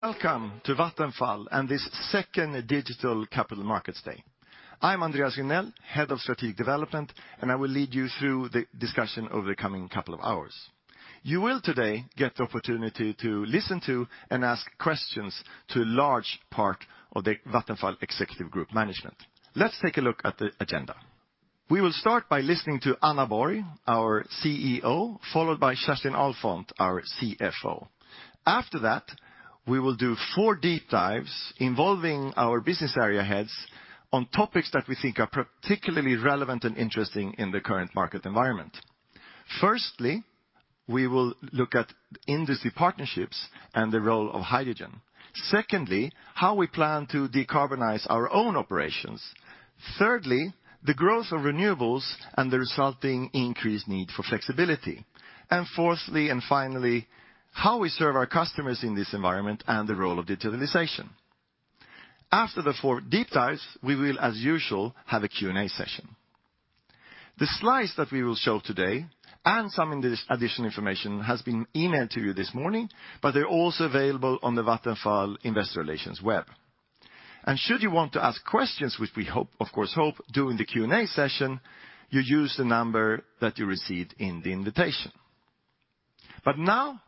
Welcome to Vattenfall and this Second Digital Capital Markets Day. I'm Andreas Regnell, Head of Strategic Development, and I will lead you through the discussion over the coming couple of hours. You will today get the opportunity to listen to and ask questions to a large part of the Vattenfall executive group management. Let's take a look at the agenda. We will start by listening to Anna Borg, our CEO, followed by Kerstin Ahlfont, our CFO. After that, we will do four deep dives involving our business area heads on topics that we think are particularly relevant and interesting in the current market environment. Firstly, we will look at industry partnerships and the role of hydrogen. Secondly, how we plan to decarbonize our own operations. Thirdly, the growth of renewables and the resulting increased need for flexibility. Fourthly and finally, how we serve our customers in this environment and the role of digitalization. After the four deep dives, we will, as usual, have a Q&A session. The slides that we will show today, and some additional information has been emailed to you this morning, but they're also available on the Vattenfall Investor Relations web. Should you want to ask questions, which we of course hope during the Q&A session, you use the number that you received in the invitation. Now,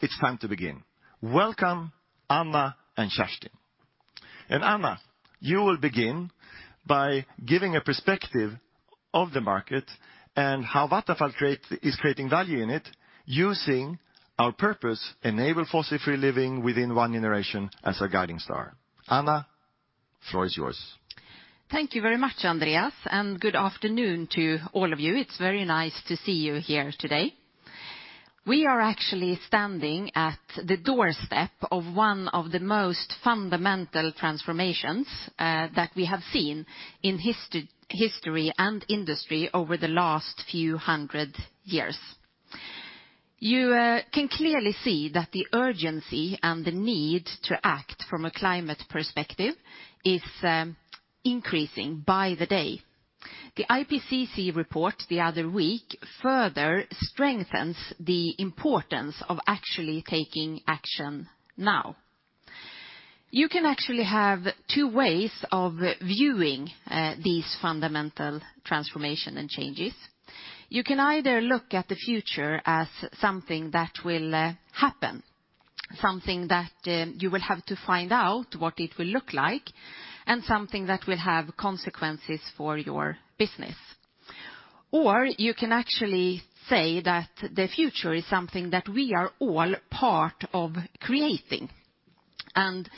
it's time to begin. Welcome, Anna and Kerstin. Anna, you will begin by giving a perspective of the market and how Vattenfall is creating value in it using our purpose, Enable Fossil-Free Living Within One Generation, as a guiding star. Anna, the floor is yours. Thank you very much, Andreas, and good afternoon to all of you. It's very nice to see you here today. We are actually standing at the doorstep of one of the most fundamental transformations that we have seen in history and industry over the last few hundred years. You can clearly see that the urgency and the need to act from a climate perspective is increasing by the day. The IPCC report the other week further strengthens the importance of actually taking action now. You can actually have two ways of viewing these fundamental transformation and changes. You can either look at the future as something that will happen, something that you will have to find out what it will look like, and something that will have consequences for your business. You can actually say that the future is something that we are all part of creating, and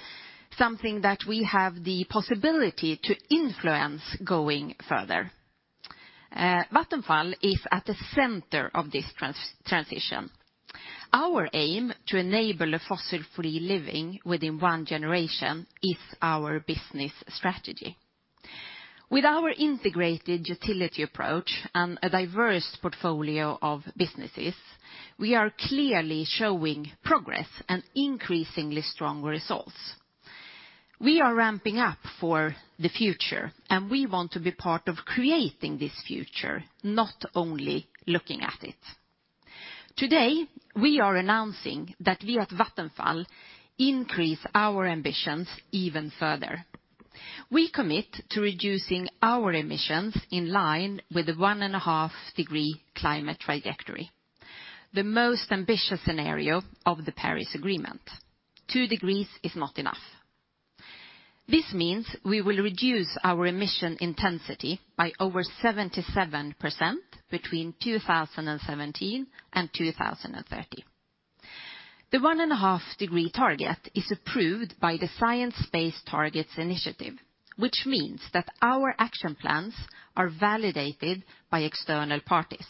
something that we have the possibility to influence going further. Vattenfall is at the center of this transition. Our aim to enable a fossil-free living within one generation is our business strategy. With our integrated utility approach and a diverse portfolio of businesses, we are clearly showing progress, and increasingly strong results. We are ramping up for the future, and we want to be part of creating this future, not only looking at it. Today, we are announcing that we at Vattenfall increase our ambitions even further. We commit to reducing our emissions in line with the 1.5 degree climate trajectory, the most ambitious scenario of the Paris Agreement. Two degrees is not enough. This means we will reduce our emission intensity by over 77% between 2017 and 2030. The 1.5 degree target is approved by the Science Based Targets initiative, which means that our action plans are validated by external parties.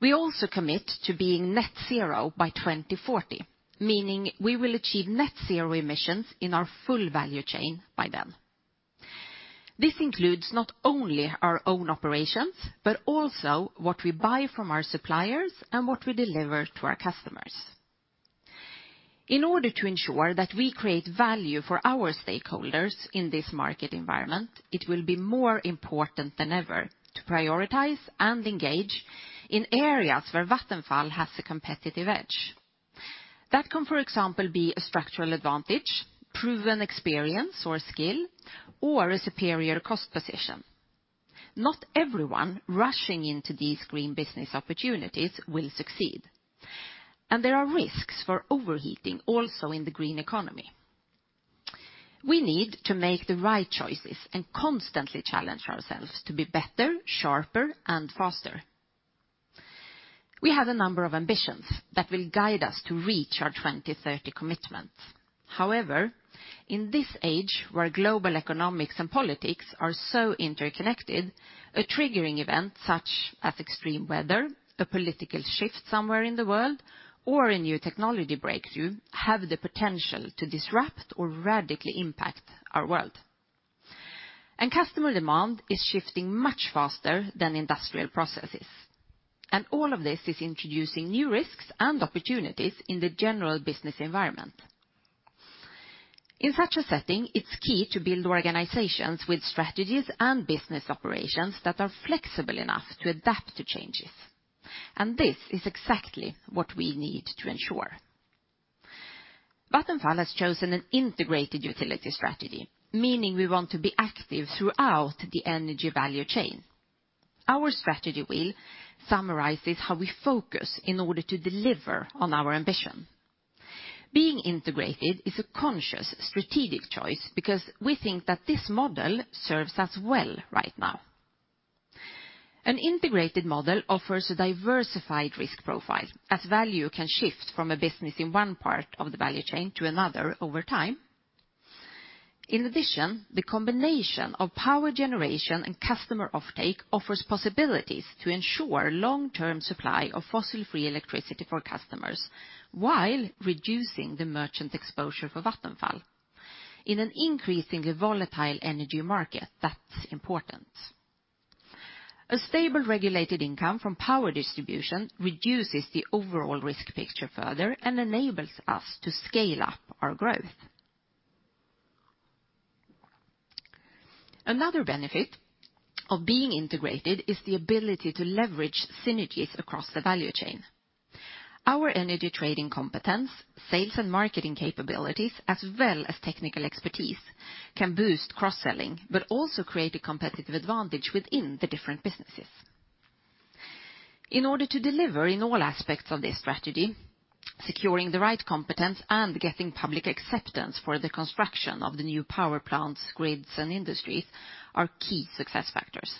We also commit to being net zero by 2040, meaning we will achieve net zero emissions in our full value chain by then. This includes not only our own operations, but also what we buy from our suppliers and what we deliver to our customers. In order to ensure that we create value for our stakeholders in this market environment, it will be more important than ever to prioritize and engage in areas where Vattenfall has a competitive edge. That can, for example, be a structural advantage, proven experience or skill, or a superior cost position. Not everyone rushing into these green business opportunities will succeed. There are risks for overheating also in the green economy. We need to make the right choices and constantly challenge ourselves to be better, sharper, and faster. We have a number of ambitions that will guide us to reach our 2030 commitments. However, in this age where global economics and politics are so interconnected, a triggering event such as extreme weather, a political shift somewhere in the world, or a new technology breakthrough, have the potential to disrupt or radically impact our world. Customer demand is shifting much faster than industrial processes. All of this is introducing new risks and opportunities in the general business environment. In such a setting, it's key to build organizations with strategies and business operations that are flexible enough to adapt to changes. This is exactly what we need to ensure. Vattenfall has chosen an integrated utility strategy, meaning we want to be active throughout the energy value chain. Our strategy wheel summarizes how we focus in order to deliver on our ambition. Being integrated is a conscious strategic choice, because we think that this model serves us well right now. An integrated model offers a diversified risk profile, as value can shift from a business in one part of the value chain to another over time. In addition, the combination of power generation and customer offtake offers possibilities to ensure long-term supply of fossil-free electricity for customers, while reducing the merchant exposure for Vattenfall. In an increasingly volatile energy market, that's important. A stable regulated income from power distribution reduces the overall risk picture further and enables us to scale up our growth. Another benefit of being integrated is the ability to leverage synergies across the value chain. Our energy trading competence, sales and marketing capabilities, as well as technical expertise, can boost cross-selling, but also create a competitive advantage within the different businesses. In order to deliver in all aspects of this strategy, securing the right competence and getting public acceptance for the construction of the new power plants, grids, and industries are key success factors.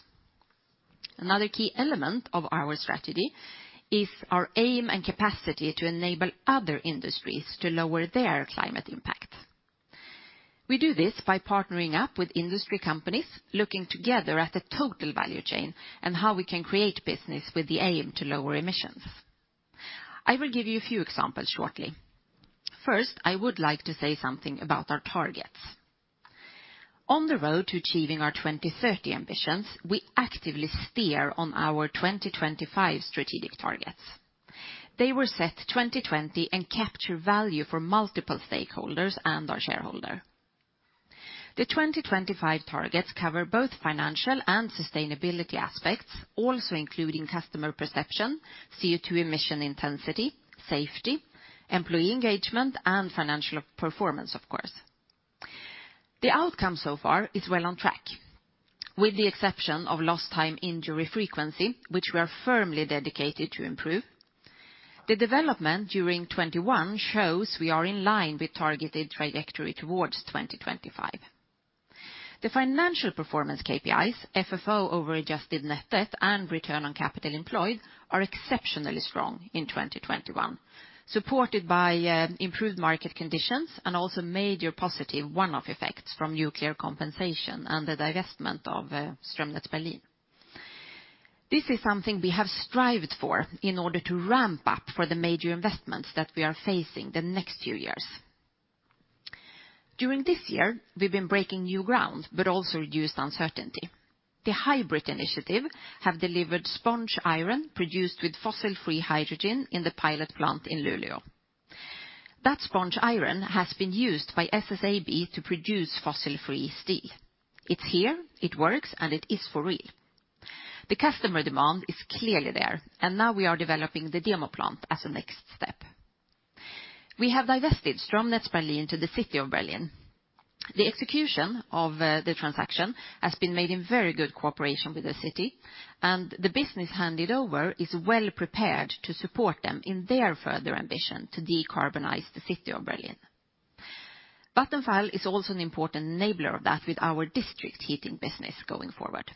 Another key element of our strategy is our aim and capacity to enable other industries to lower their climate impact. We do this by partnering up with industry companies, looking together at the total value chain and how we can create business with the aim to lower emissions. I will give you a few examples shortly. First, I would like to say something about our targets. On the road to achieving our 2030 ambitions, we actively steer on our 2025 strategic targets. They were set 2020 and capture value for multiple stakeholders and our shareholder. The 2025 targets cover both financial and sustainability aspects, also including customer perception, CO2 emission intensity, safety, employee engagement, and financial performance, of course. The outcome so far is well on track. With the exception of Lost Time Injury Frequency, which we are firmly dedicated to improve, the development during 2021 shows we are in line with targeted trajectory towards 2025. The financial performance KPIs, FFO over Adjusted Net Debt, and return on capital employed, are exceptionally strong in 2021, supported by improved market conditions, and also major positive one-off effects from nuclear compensation and the divestment of Stromnetz Berlin. This is something we have strived for in order to ramp up for the major investments that we are facing the next few years. During this year, we've been breaking new ground, also reduced uncertainty. The HYBRIT initiative have delivered sponge iron produced with fossil-free hydrogen in the pilot plant in Luleå. That sponge iron has been used by SSAB to produce fossil-free steel. It's here, it works, and it is for real. The customer demand is clearly there, and now we are developing the demo plant as a next step. We have divested Stromnetz Berlin to the city of Berlin. The execution of the transaction has been made in very good cooperation with the city, and the business handed over is well-prepared to support them in their further ambition to decarbonize the City of Berlin. Vattenfall is also an important enabler of that with our district heating business going forward.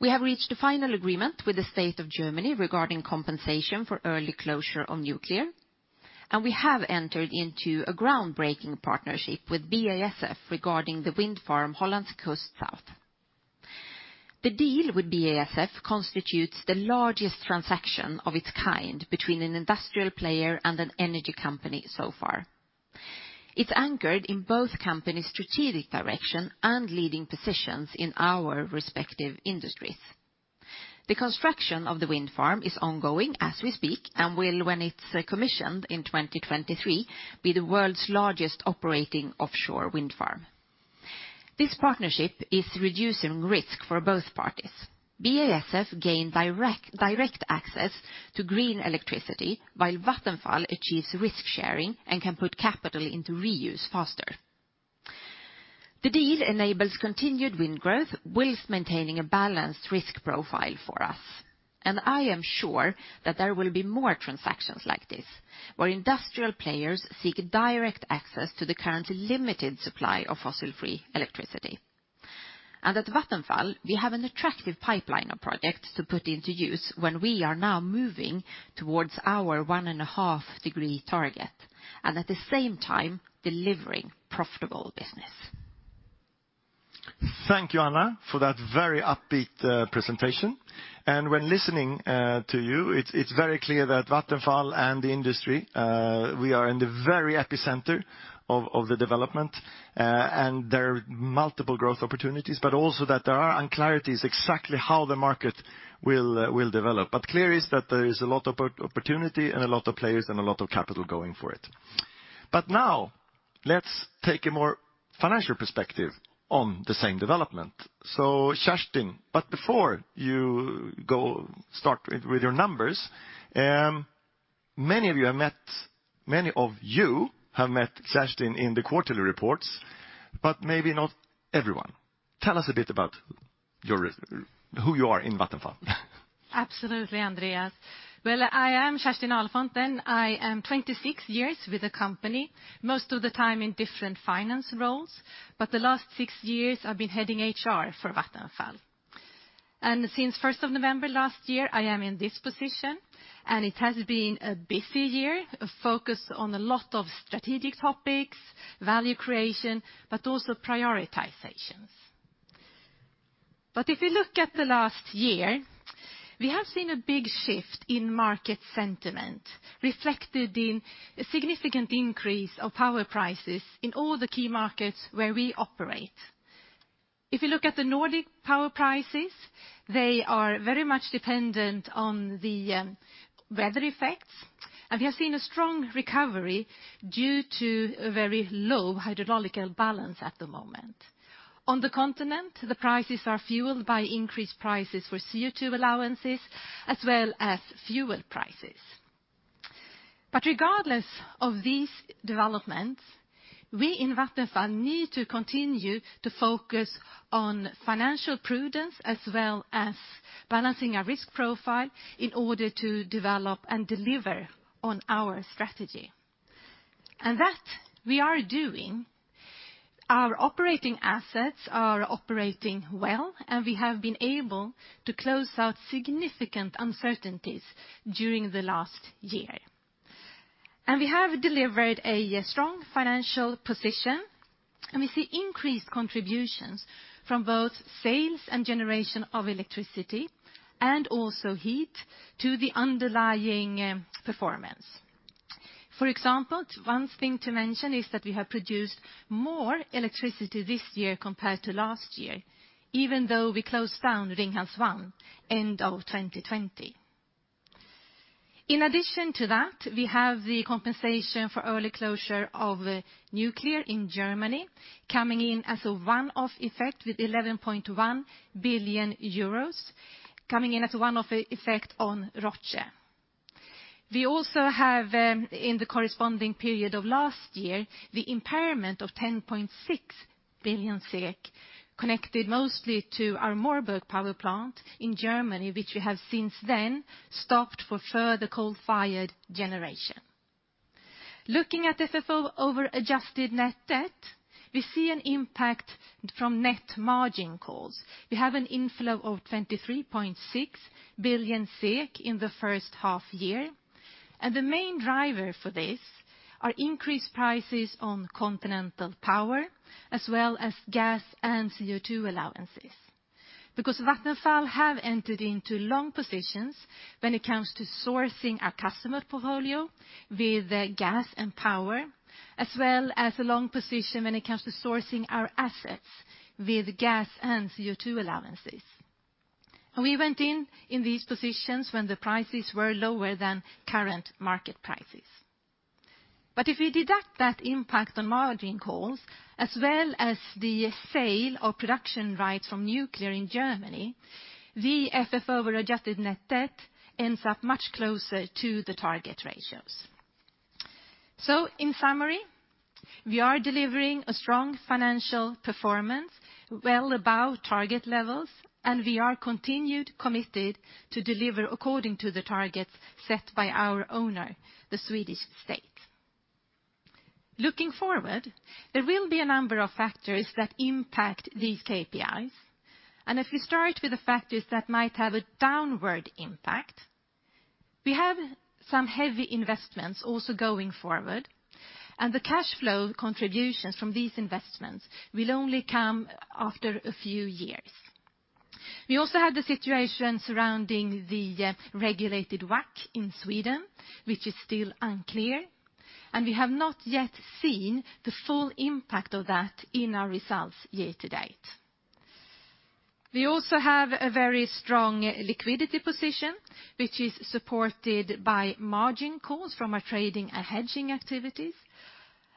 We have reached a final agreement with the State of Germany regarding compensation for early closure of nuclear, and we have entered into a groundbreaking partnership with BASF regarding the wind farm Hollandse Kust Zuid. The deal with BASF constitutes the largest transaction of its kind between an industrial player and an energy company so far. It's anchored in both companies' strategic direction and leading positions in our respective industries. The construction of the wind farm is ongoing as we speak and will, when it's commissioned in 2023, be the world's largest operating offshore wind farm. This partnership is reducing risk for both parties. BASF gain direct access to green electricity while Vattenfall achieves risk-sharing and can put capital into reuse faster. The deal enables continued wind growth while maintaining a balanced risk profile for us, and I am sure that there will be more transactions like this, where industrial players seek direct access to the current limited supply of fossil-free electricity. At Vattenfall, we have an attractive pipeline of projects to put into use when we are now moving towards our 1.5-degree target, and at the same time, delivering profitable business. Thank you, Anna, for that very upbeat presentation. When listening to you, it's very clear that Vattenfall and the industry, we are in the very epicenter of the development. There are multiple growth opportunities, but also that there are unclarities exactly how the market will develop. Clear is that there is a lot of opportunity and a lot of players and a lot of capital going for it. Now, let's take a more financial perspective on the same development. Kerstin, but before you start with your numbers, many of you have met Kerstin in the quarterly reports, but maybe not everyone. Tell us a bit about who you are in Vattenfall. Absolutely, Andreas. Well, I am Kerstin Ahlfont. I am 26 years with the company, most of the time in different finance roles, but the last six years, I've been heading HR for Vattenfall. Since 1st of November last year, I am in this position, and it has been a busy year of focused on a lot of strategic topics, value creation, but also prioritizations. If you look at the last year, we have seen a big shift in market sentiment, reflected in a significant increase of power prices in all the key markets where we operate. If you look at the Nordic power prices, they are very much dependent on the weather effects, and we have seen a strong recovery due to a very low hydrological balance at the moment. On the continent, the prices are fueled by increased prices for CO2 allowances, as well as fuel prices. Regardless of these developments, we in Vattenfall need to continue to focus on financial prudence, as well as balancing our risk profile in order to develop and deliver on our strategy, and that, we are doing. Our operating assets are operating well, and we have been able to close out significant uncertainties during the last year. We have delivered a strong financial position, and we see increased contributions from both sales and generation of electricity, and also heat to the underlying performance. For example, one thing to mention is that we have produced more electricity this year compared to last year, even though we closed down Ringhals 1 end of 2020. In addition to that, we have the compensation for early closure of nuclear in Germany, coming in as a one-off effect with 11.1 billion euros, coming in as a one-off effect on ROCE. We also have, in the corresponding period of last year, the impairment of 10.6 billion SEK, connected mostly to our Moorburg Power Plant in Germany, which we have since then stopped for further coal-fired generation. Looking at FFO/Adjusted Net Debt, we see an impact from net margin calls. We have an inflow of 23.6 billion SEK in the first half year, and the main driver for this are increased prices on continental power, as well as gas and CO2 allowances. Vattenfall have entered into long positions when it comes to sourcing our customer portfolio with gas and power, as well as a long position when it comes to sourcing our assets with gas and CO2 allowances. We went in in these positions when the prices were lower than current market prices. If we deduct that impact on margin calls, as well as the sale of production rights from nuclear in Germany, the FFO/Adjusted Net Debt ends up much closer to the target ratios. In summary, we are delivering a strong financial performance well above target levels, and we are continued committed to deliver according to the targets set by our owner, the Swedish state. Looking forward, there will be a number of factors that impact these KPIs, and if you start with the factors that might have a downward impact, we have some heavy investments also going forward, and the cash flow contributions from these investments will only come after a few years. We also have the situation surrounding the regulated WACC in Sweden, which is still unclear, and we have not yet seen the full impact of that in our results year to date. We also have a very strong liquidity position, which is supported by margin calls from our trading and hedging activities.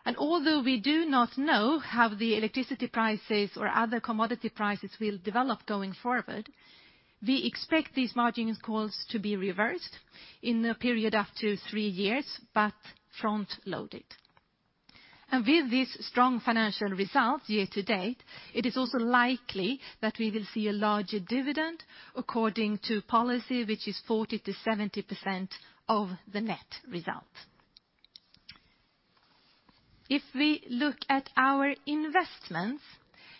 Although we do not know how the electricity prices or other commodity prices will develop going forward, we expect these margins calls to be reversed in a period up to three years, but front-loaded. With this strong financial result year to date, it is also likely that we will see a larger dividend according to policy, which is 40%, 70% of the net result. If we look at our investments,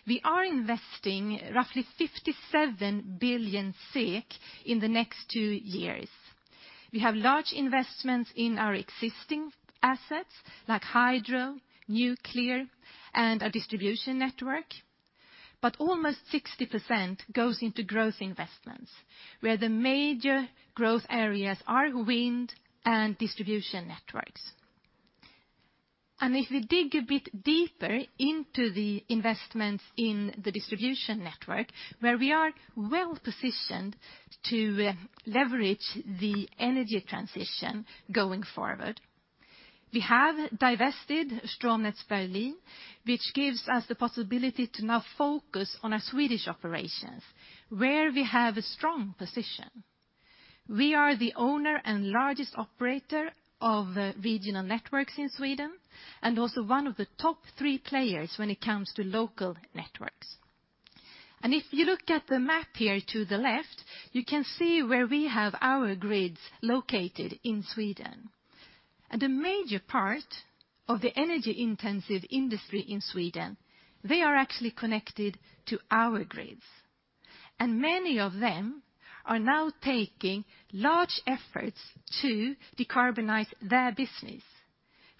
we are investing roughly 57 billion SEK in the next two years. We have large investments in our existing assets, like hydro, nuclear, and our distribution network. Almost 60% goes into growth investments, where the major growth areas are wind and distribution networks. If we dig a bit deeper into the investments in the distribution network, where we are well-positioned to leverage the energy transition going forward. We have divested Stromnetz Berlin, which gives us the possibility to now focus on our Swedish operations, where we have a strong position. We are the owner and largest operator of regional networks in Sweden and also one of the top three players when it comes to local networks. If you look at the map here to the left, you can see where we have our grids located in Sweden. A major part of the energy-intensive industry in Sweden, they are actually connected to our grids. Many of them are now taking large efforts to decarbonize their business,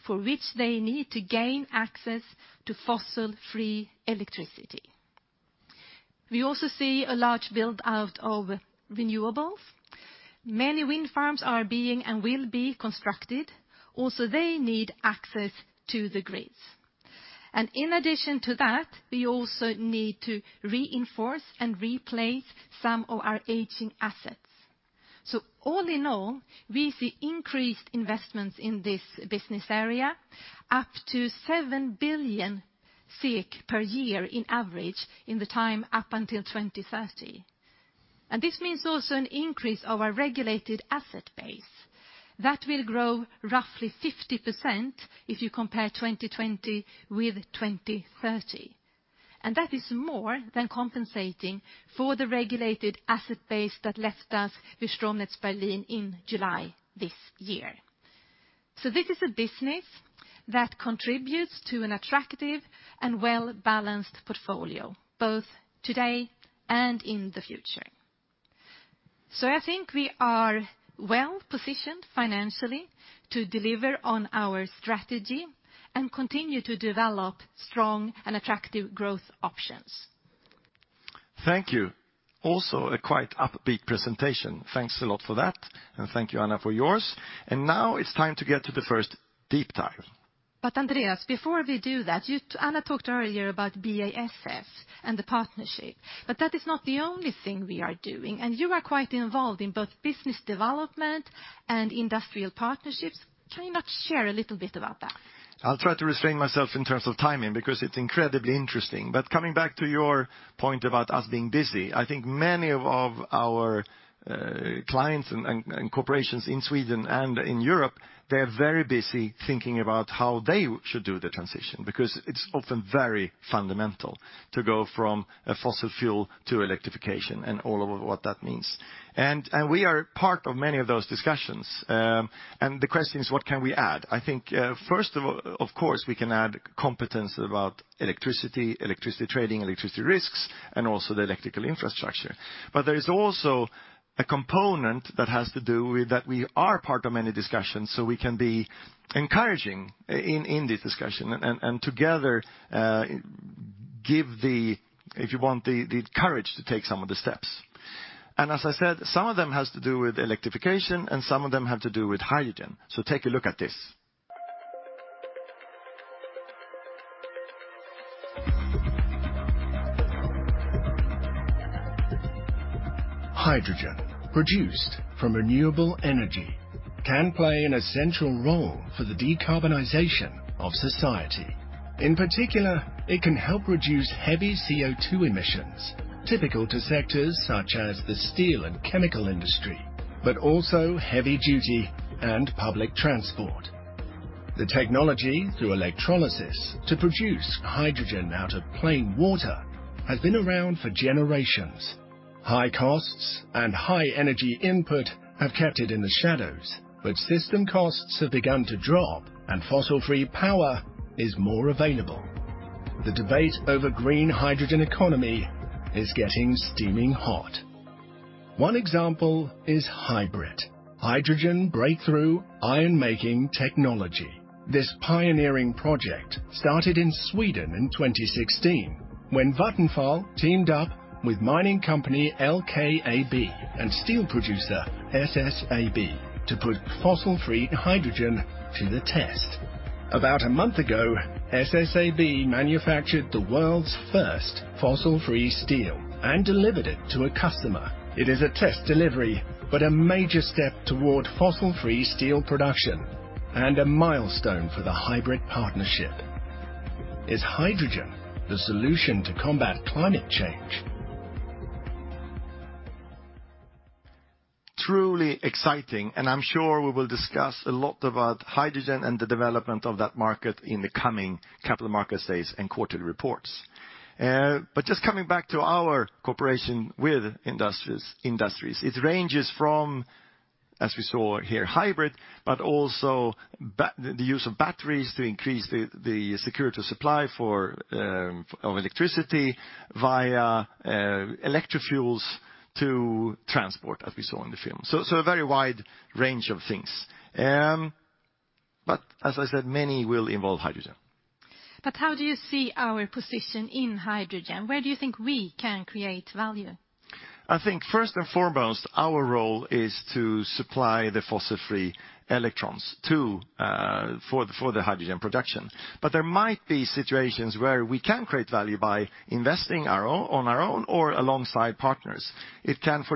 for which they need to gain access to fossil-free electricity. We also see a large build-out of renewables. Many wind farms are being and will be constructed. They also need access to the grids. In addition to that, we also need to reinforce and replace some of our aging assets. All in all, we see increased investments in this business area, up to 7 billion per year in average in the time up until 2030. This means also an increase of our regulated asset base, that will grow roughly 50%, if you compare 2020 with 2030. That is more than compensating for the regulated asset base that left us with Stromnetz Berlin in July this year. This is a business that contributes to an attractive and well-balanced portfolio, both today and in the future. I think we are well-positioned financially to deliver on our strategy and continue to develop strong and attractive growth options. Thank you. Also, a quite upbeat presentation. Thanks a lot for that, and thank you, Anna, for yours. Now it's time to get to the first deep dive. Andreas, before we do that, Anna talked earlier about BASF and the partnership, but that is not the only thing we are doing, and you are quite involved in both business development and industrial partnerships. Can you not share a little bit about that? I'll try to restrain myself in terms of timing, because it's incredibly interesting. Coming back to your point about us being busy, I think many of our clients and corporations in Sweden and in Europe, they're very busy thinking about how they should do the transition, because it's often very fundamental to go from a fossil fuel to electrification and all of what that means. We are part of many of those discussions. The question is, what can we add? I think, first of all, of course, we can add competence about electricity, electricity trading, electricity risks, and also the electrical infrastructure. There is also a component that has to do with that we are part of many discussions, so we can be encouraging in this discussion and together, give the, if you want, the courage to take some of the steps. As I said, some of them have to do with electrification and some of them have to do with hydrogen, so take a look at this. Hydrogen produced from renewable energy can play an essential role for the decarbonization of society. In particular, it can help reduce heavy CO2 emissions, typical to sectors such as the steel and chemical industry, but also heavy duty and public transport. The technology, through electrolysis to produce hydrogen out of plain water, has been around for generations. High costs and high energy input have kept it in the shadows, but system costs have begun to drop, and fossil-free power is more available. The debate over green hydrogen economy is getting steaming hot. One example is HYBRIT, Hydrogen Breakthrough Ironmaking Technology. This pioneering project started in Sweden in 2016, when Vattenfall teamed up with mining company LKAB and steel producer SSAB to put fossil-free hydrogen to the test. About a month ago, SSAB manufactured the world's first fossil-free steel and delivered it to a customer. It is a test delivery, but a major step toward fossil-free steel production and a milestone for the HYBRIT partnership. Is hydrogen the solution to combat climate change? Truly exciting. I'm sure we will discuss a lot about hydrogen and the development of that market in the coming capital market days and quarterly reports. Just coming back to our cooperation with industries, it ranges from, as we saw here, HYBRIT, but also the use of batteries to increase the security of supply of electricity via electro fuels to transport, as we saw in the film, so a very wide range of things, but as I said, many will involve hydrogen. How do you see our position in hydrogen? Where do you think we can create value? I think first and foremost, our role is to supply the fossil-free electrons for the hydrogen production. There might be situations where we can create value by investing on our own or alongside partners. Sometimes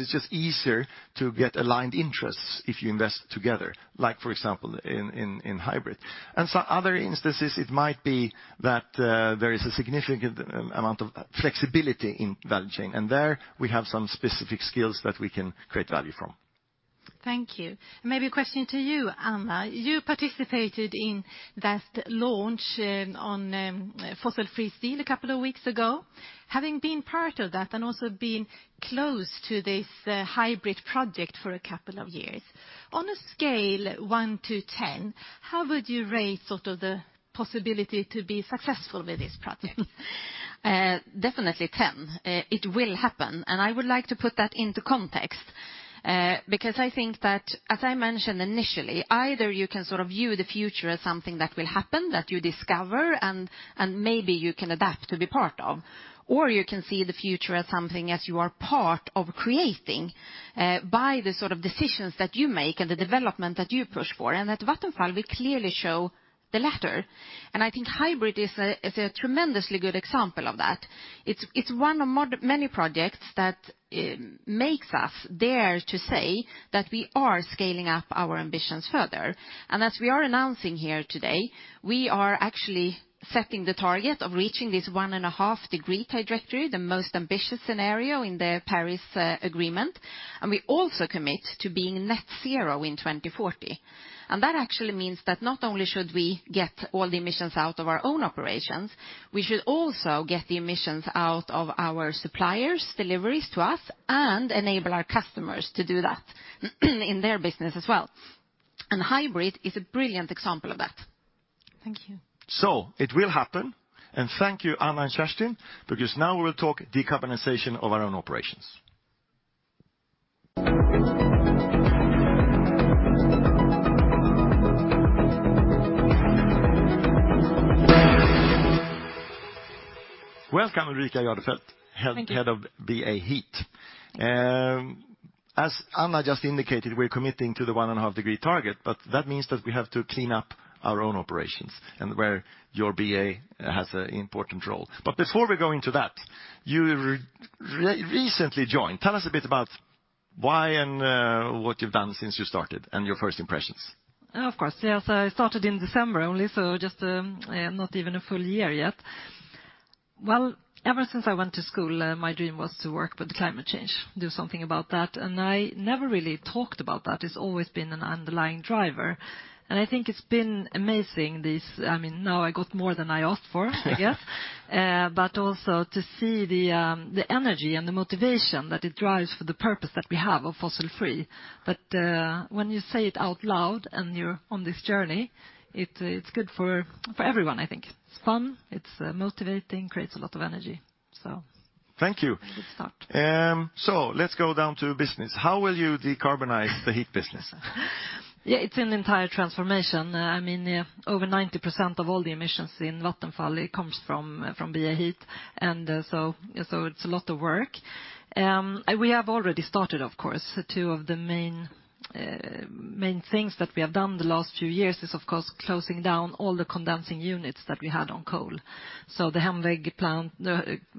it's just easier to get aligned interests if you invest together, for example, in HYBRIT. In some other instances, it might be that there is a significant amount of flexibility in value chain, and there we have some specific skills that we can create value from. Thank you, a question to you, Anna, you participated in that launch on fossil-free steel a couple of weeks ago. Having been part of that and also being close to this HYBRIT project for a couple of years, on a scale of one to 10, how would you rate the possibility to be successful with this project? Definitely 10, it will happen, and I would like to put that into context. Because I think that, as I mentioned initially, either you can view the future as something that will happen, that you discover and maybe you can adapt to be part of, or you can see the future as something as you are part of creating by the sort of decisions that you make and the development that you push for. At Vattenfall, we clearly show the latter, and I think HYBRIT is a tremendously good example of that. It's one of many projects that makes us dare to say that we are scaling up our ambitions further. As we are announcing here today, we are actually setting the target of reaching this one and a half degree trajectory, the most ambitious scenario in the Paris Agreement. We also commit to being net zero in 2040. That actually means that not only should we get all the emissions out of our own operations, we should also get the emissions out of our suppliers' deliveries to us, and enable our customers to do that in their business as well. HYBRIT is a brilliant example of that. Thank you. It will happen, and thank you, Anna and Kerstin, because now we'll talk decarbonization of our own operations. Welcome Ulrika Jardfelt. Thank you. Head of BA Heat. As Anna just indicated, we're committing to the 1.5 degree target, but that means that we have to clean up our own operations, and where your BA has an important role. Before we go into that, you recently joined. Tell us a bit about why and what you've done since you started, and your first impressions. Of course. Yes, I started in December only, so just not even a full year yet. Well, ever since I went to school, my dream was to work with climate change, do something about that, and I never really talked about that. It's always been an underlying driver. I think it's been amazing, these. Now I got more than I asked for. Also, to see the energy and the motivation that it drives for the purpose that we have of fossil-free. When you say it out loud and you're on this journey, it's good for everyone, I think. It's fun, it's motivating, creates a lot of energy, so. Thank you. A good start. Let's go down to business. How will you decarbonize the heat business? Yeah, it's an entire transformation. Over 90% of all the emissions in Vattenfall, it comes from BA Heat, and so it's a lot of work. We have already started, of course. Two of the main things that we have done the last few years is, of course, closing down all the condensing units that we had on coal. The Hemweg plant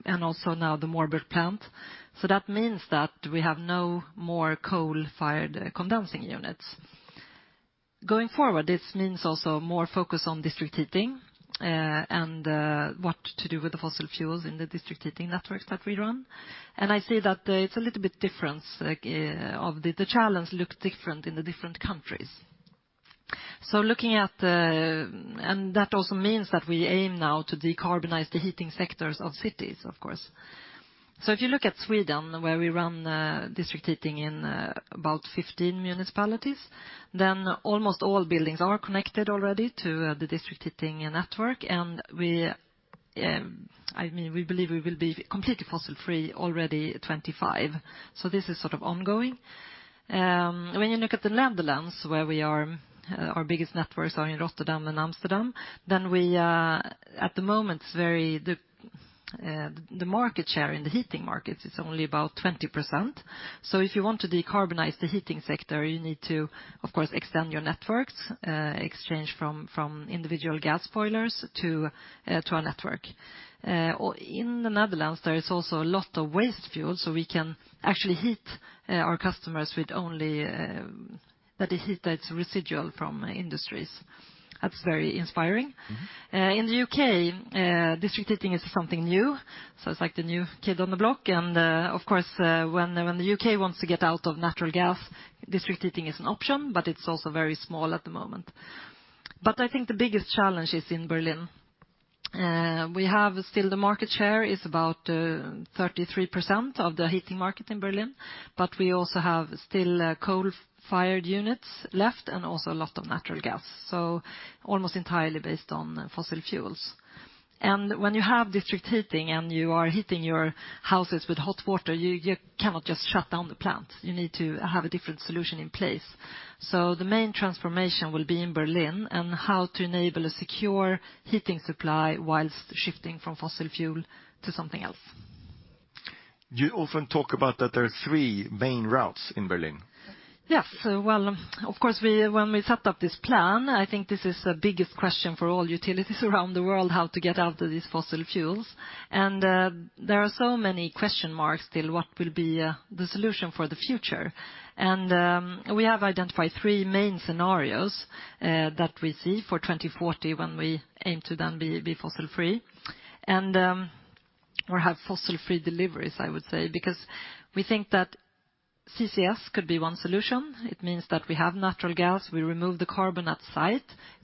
and also now the Moorburg plant. That means that we have no more coal-fired condensing units. Going forward, this means also more focus on district heating and what to do with the fossil fuels in the district heating networks that we run. I see that it's a little bit different. The challenge looks different in the different countries. That also means that we aim now to decarbonize the heating sectors of cities, of course. If you look at Sweden, where we run district heating in about 15 municipalities, then almost all buildings are connected already to the district heating network. We believe we will be completely fossil-free already 2025, so this is sort of ongoing. When you look at the Netherlands, where our biggest networks are in Rotterdam and Amsterdam, we, at the moment, the market share in the heating markets, it's only about 20%. If you want to decarbonize the heating sector, you need to, of course, extend your networks, exchange from individual gas boilers to a network. In the Netherlands, there is also a lot of waste fuel, so we can actually heat our customers with only that is heat that's residual from industries. That's very inspiring. In the U.K., district heating is something new. It's like the new kid on the block and, of course, when the U.K. wants to get out of natural gas, district heating is an option. It's also very small at the moment. I think the biggest challenge is in Berlin. We have still the market share is about 33% of the heating market in Berlin. We also have still coal-fired units left and also a lot of natural gas. Almost entirely based on fossil fuels. When you have district heating and you are heating your houses with hot water, you cannot just shut down the plant. You need to have a different solution in place. The main transformation will be in Berlin and how to enable a secure heating supply whilst shifting from fossil fuel to something else. You often talk about that there are three main routes in Berlin. Yes. Of course, when we set up this plan, I think this is the biggest question for all utilities around the world, how to get out of these fossil fuels. There are so many question marks still, what will be the solution for the future. We have identified three main scenarios that we see for 2040, when we aim to then be fossil free, or have fossil free deliveries, I would say. Because we think that CCS could be one solution. It means that we have natural gas. We remove the carbon at site.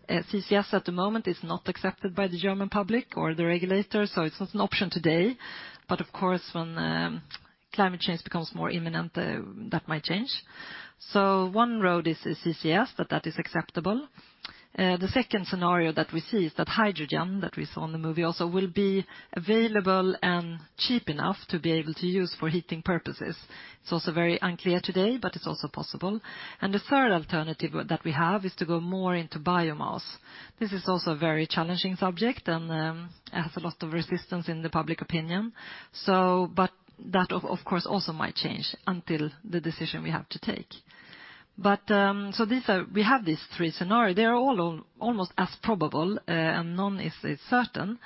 CCS at the moment is not accepted by the German public or the regulators, so it's not an option today. Of course, when climate change becomes more imminent, that might change. One road is CCS, that is acceptable. The second scenario that we see is that hydrogen, that we saw in the movie also, will be available and cheap enough to be able to use for heating purposes. It is also very unclear today, but it is also possible. The third alternative that we have is to go more into biomass. This is also a very challenging subject and has a lot of resistance in the public opinion. That, of course, also might change until the decision we have to take. We have these three scenarios. They are all almost as probable, and none is certain.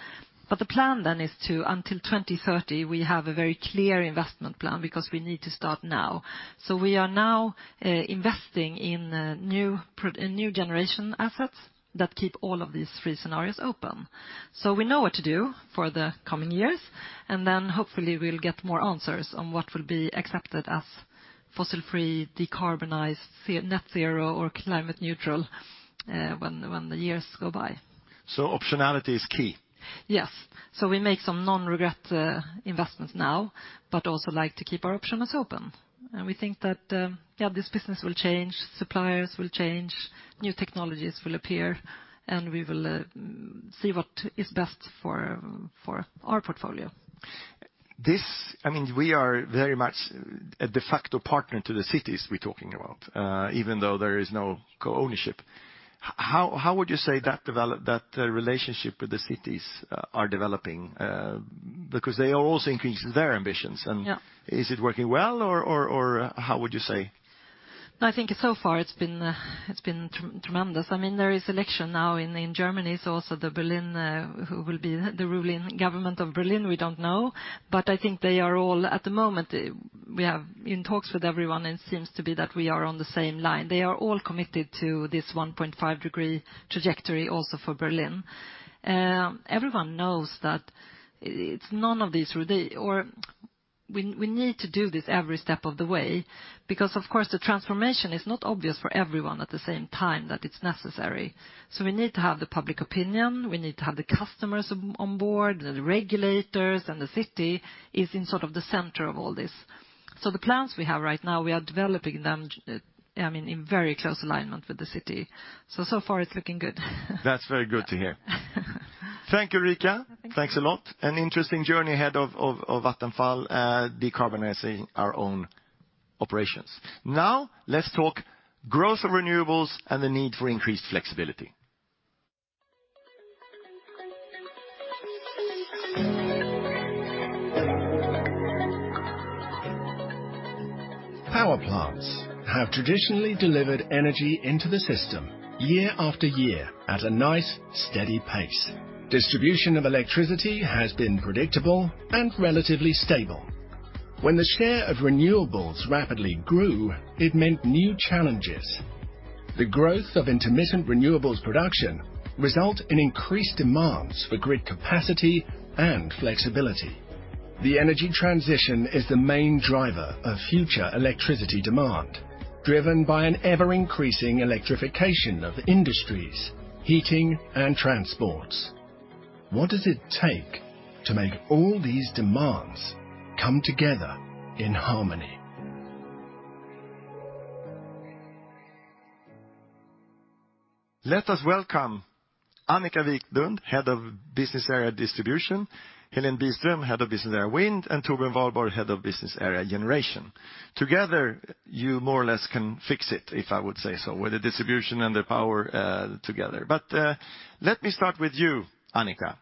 The plan then is to, until 2030, we have a very clear investment plan, because we need to start now. We are now investing in new generation assets that keep all of these three scenarios open. We know what to do for the coming years, and then hopefully we'll get more answers on what will be accepted as fossil free, decarbonized, net zero, or climate neutral when the years go by. Optionality is key? Yes. We make some non-regret investments now, but also like to keep our options open. We think that, yeah, this business will change, suppliers will change, new technologies will appear, and we will see what is best for our portfolio. We are very much a de facto partner to the cities we're talking about, even though there is no co-ownership. How would you say that relationship with the cities are developing? Because they all think its their ambition. Yeah Is it working well or how would you say? I think so far it's been tremendous. There is election now in Germany, also who will be the ruling government of Berlin, we don't know. I think they are all, at the moment, we have in talks with everyone, it seems to be that we are on the same line. They are all committed to this 1.5-degree trajectory also for Berlin. Everyone knows that we need to do this every step of the way, because, of course, the transformation is not obvious for everyone at the same time that it's necessary. We need to have the public opinion, we need to have the customers on board, then the regulators, and the city is in sort of the center of all this. The plans we have right now, we are developing them in very close alignment with the city so far it's looking good. That's very good to hear. Thank you, Ulrika. Thank you. Thanks a lot. An interesting journey ahead of Vattenfall, decarbonizing our own operations. Now, let's talk growth of renewables and the need for increased flexibility. Power plants have traditionally delivered energy into the system year after year at a nice, steady pace. Distribution of electricity has been predictable and relatively stable. When the share of renewables rapidly grew, it meant new challenges. The growth of intermittent renewables production results in increased demands for grid capacity and flexibility. The energy transition is the main driver of future electricity demand, driven by an ever-increasing electrification of industries, heating, and transports. What does it take to make all these demands come together in harmony? Let us welcome Annika Viklund, Head of Business Area Distribution, Helene Biström, Head of Business Area Wind, and Torbjörn Wahlborg, Head of Business Area Generation. Together, you more or less can fix it, if I would say so, with the distribution and the power together. Let me start with you, Annika.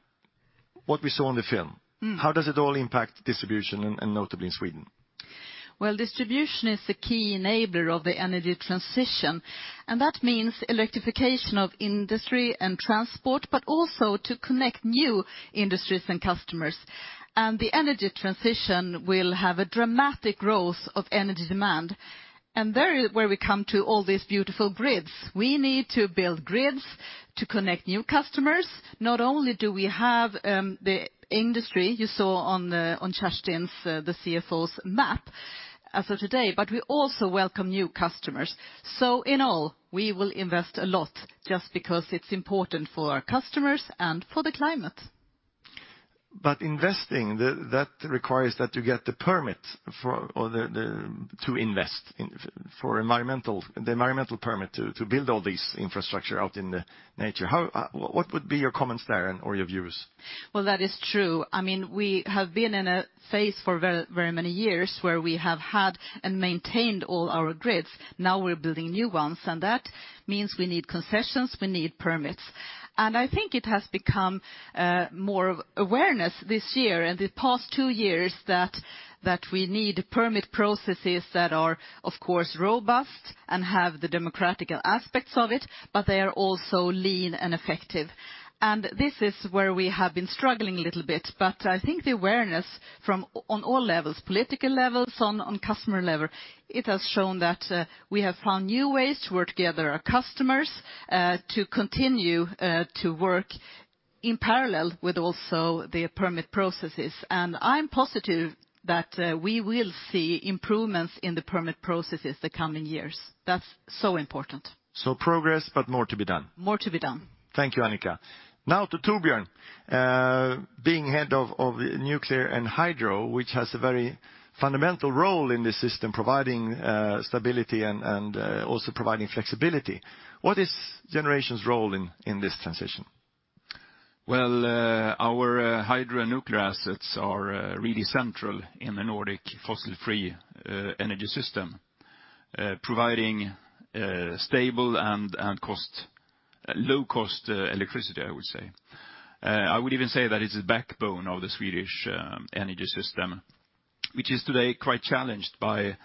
What we saw in the film, how does it all impact distribution, and notably in Sweden? Well, distribution is the key enabler of the energy transition, and that means electrification of industry and transport, but also to connect new industries and customers. The energy transition will have a dramatic growth of energy demand. There where we come to all these beautiful grids. We need to build grids to connect new customers. Not only do we have the industry you saw on Kerstin's, the CFO's map as of today, but we also welcome new customers. In all, we will invest a lot, just because it's important for our customers and for the climate. Investing, that requires that you get the permit to invest, the environmental permit to build all this infrastructure out in the nature. What would be your comments there, or your views? Well, that is true. We have been in a phase for very many years where we have had and maintained all our grids. Now we're building new ones, and that means we need concessions, we need permits. I think it has become more of awareness this year, and the past two years, that we need permit processes that are, of course, robust and have the democratic aspects of it, but they are also lean and effective. This is where we have been struggling a little bit. I think the awareness on all levels, political levels, on customer level, it has shown that we have found new ways to work together with our customers to continue to work in parallel with also the permit processes. I'm positive that we will see improvements in the permit processes the coming years. That's so important. Progress, but more to be done. More to be done. Thank you, Annika. Now to Torbjörn. Being head of nuclear and hydro, which has a very fundamental role in this system, providing stability and also providing flexibility. What is Generation's role in this transition? Well, our hydro and nuclear assets are really central in the Nordic fossil-free energy system, providing stable and low-cost electricity, I would say. I would even say that it's the backbone of the Swedish energy system, which is today quite challenged by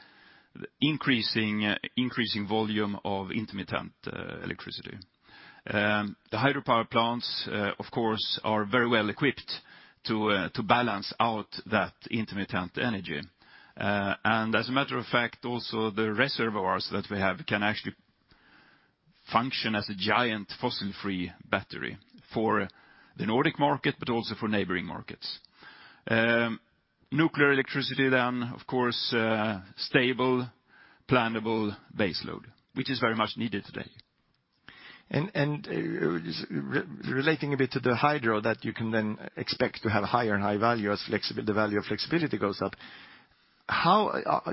the increasing volume of intermittent electricity. The hydropower plants, of course, are very well equipped to balance out that intermittent energy. As a matter of fact, also the reservoirs that we have can actually function as a giant fossil-free battery for the Nordic market, but also for neighboring markets. Nuclear electricity, of course, stable, plannable base load, which is very much needed today. Relating a bit to the hydro that you can then expect to have higher and high value as the value of flexibility goes up,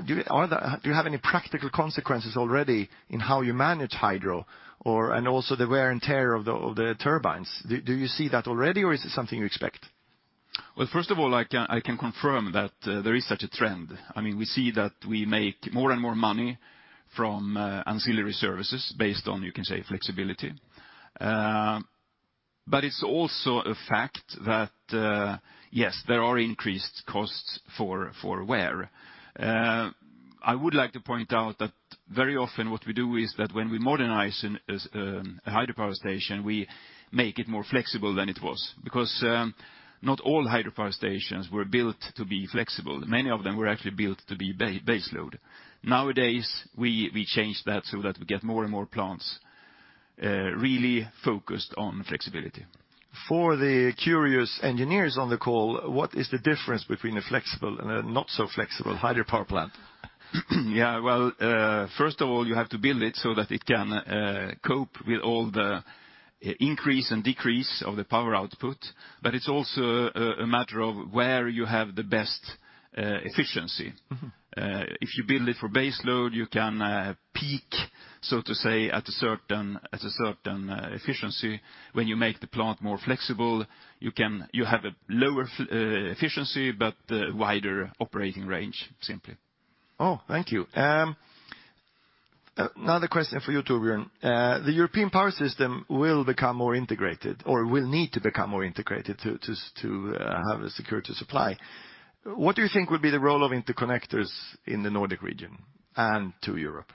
do you have any practical consequences already in how you manage hydro, and also the wear and tear of the turbines? Do you see that already, or is it something you expect? Well, first of all, I can confirm that there is such a trend. We see that we make more and more money from ancillary services based on, you can say, flexibility. It's also a fact that, yes, there are increased costs for wear. I would like to point out that very often what we do is that when we modernize a hydropower station, we make it more flexible than it was, because not all hydropower stations were built to be flexible. Many of them were actually built to be base load. Nowadays, we change that so that we get more and more plants really focused on flexibility. For the curious engineers on the call, what is the difference between a flexible and a not so flexible hydropower plant? Yeah. Well, first of all, you have to build it, so that it can cope with all the increase and decrease of the power output. It's also a matter of where you have the best efficiency. If you build it for base load, you can peak, so to say, at a certain efficiency. When you make the plant more flexible, you have a lower efficiency, but wider operating range, simply. Oh, thank you. Another question for you, Torbjörn. The European power system will become more integrated, or will need to become more integrated to have a security supply. What do you think will be the role of interconnectors in the Nordic region and to Europe?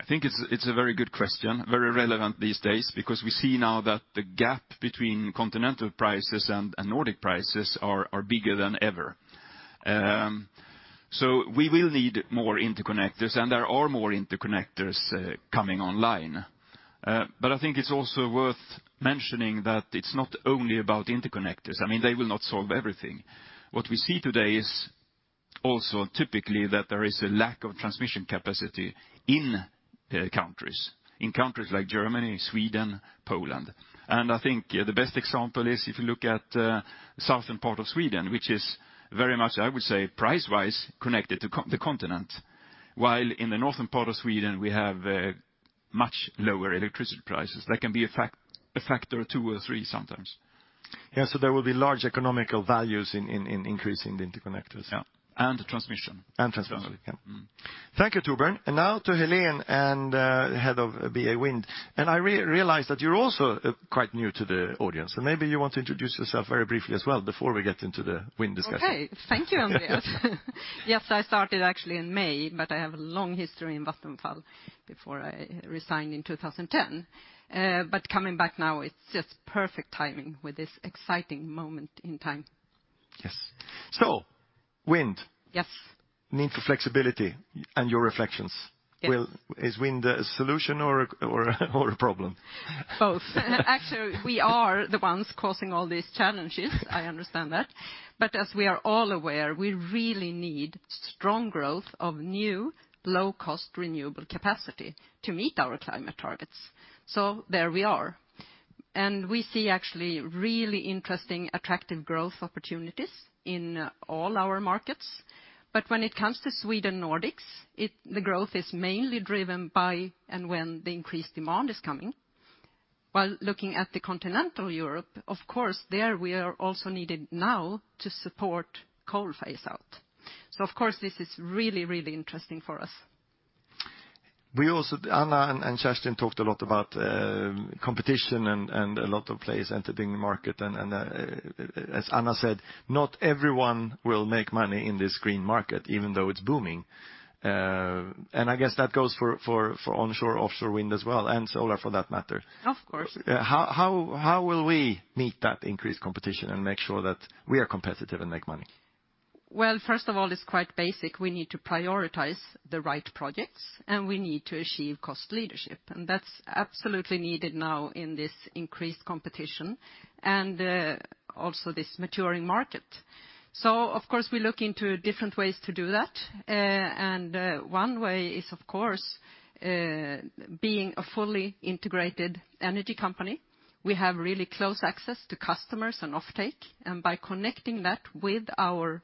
I think it's a very good question, very relevant these days, because we see now that the gap between continental prices and Nordic prices are bigger than ever. We will need more interconnectors and there are more interconnectors coming online. I think it's also worth mentioning that it's not only about interconnectors. They will not solve everything. What we see today is also typically that there is a lack of transmission capacity in countries like Germany, Sweden, Poland. I think the best example is if you look at the southern part of Sweden, which is very much, I would say, price-wise, connected to the continent. While in the northern part of Sweden, we have much lower electricity prices. That can be a factor of two or three sometimes. Yeah, there will be large economical values in increasing the interconnectors. Yeah, transmission. Transmission. Thank you, Torbjörn. Now to Helene and Head of BA Wind. I realize that you're also quite new to the audience, and maybe you want to introduce yourself very briefly as well before we get into the wind discussion. Okay. Thank you, Andreas. Yes, I started actually in May, but I have a long history in Vattenfall before I resigned in 2010. Coming back now, it's just perfect timing with this exciting moment in time. Yes. Wind. Yes. Need for flexibility and your reflections. Yes. Is wind a solution or more a problem? Both, actually, we are the ones causing all these challenges, I understand that. As we are all aware, we really need strong growth of new, low-cost renewable capacity to meet our climate targets, so there we are. We see actually really interesting, attractive growth opportunities in all our markets. When it comes to Sweden Nordics, the growth is mainly driven by and when the increased demand is coming. While looking at the continental Europe, of course, there we are also needed now to support coal phase out. Of course this is really, really interesting for us. Anna and Kerstin talked a lot about competition and a lot of players entering the market. As Anna said, not everyone will make money in this green market, even though it's booming. I guess that goes for onshore, offshore wind as well, and solar for that matter. Of course. How will we meet that increased competition and make sure that we are competitive and make money? First of all, it's quite basic. We need to prioritize the right projects, and we need to achieve cost leadership. That's absolutely needed now in this increased competition and also this maturing market. Of course, we look into different ways to do that, and one way is, of course, being a fully integrated energy company. We have really close access to customers and offtake, and by connecting that with our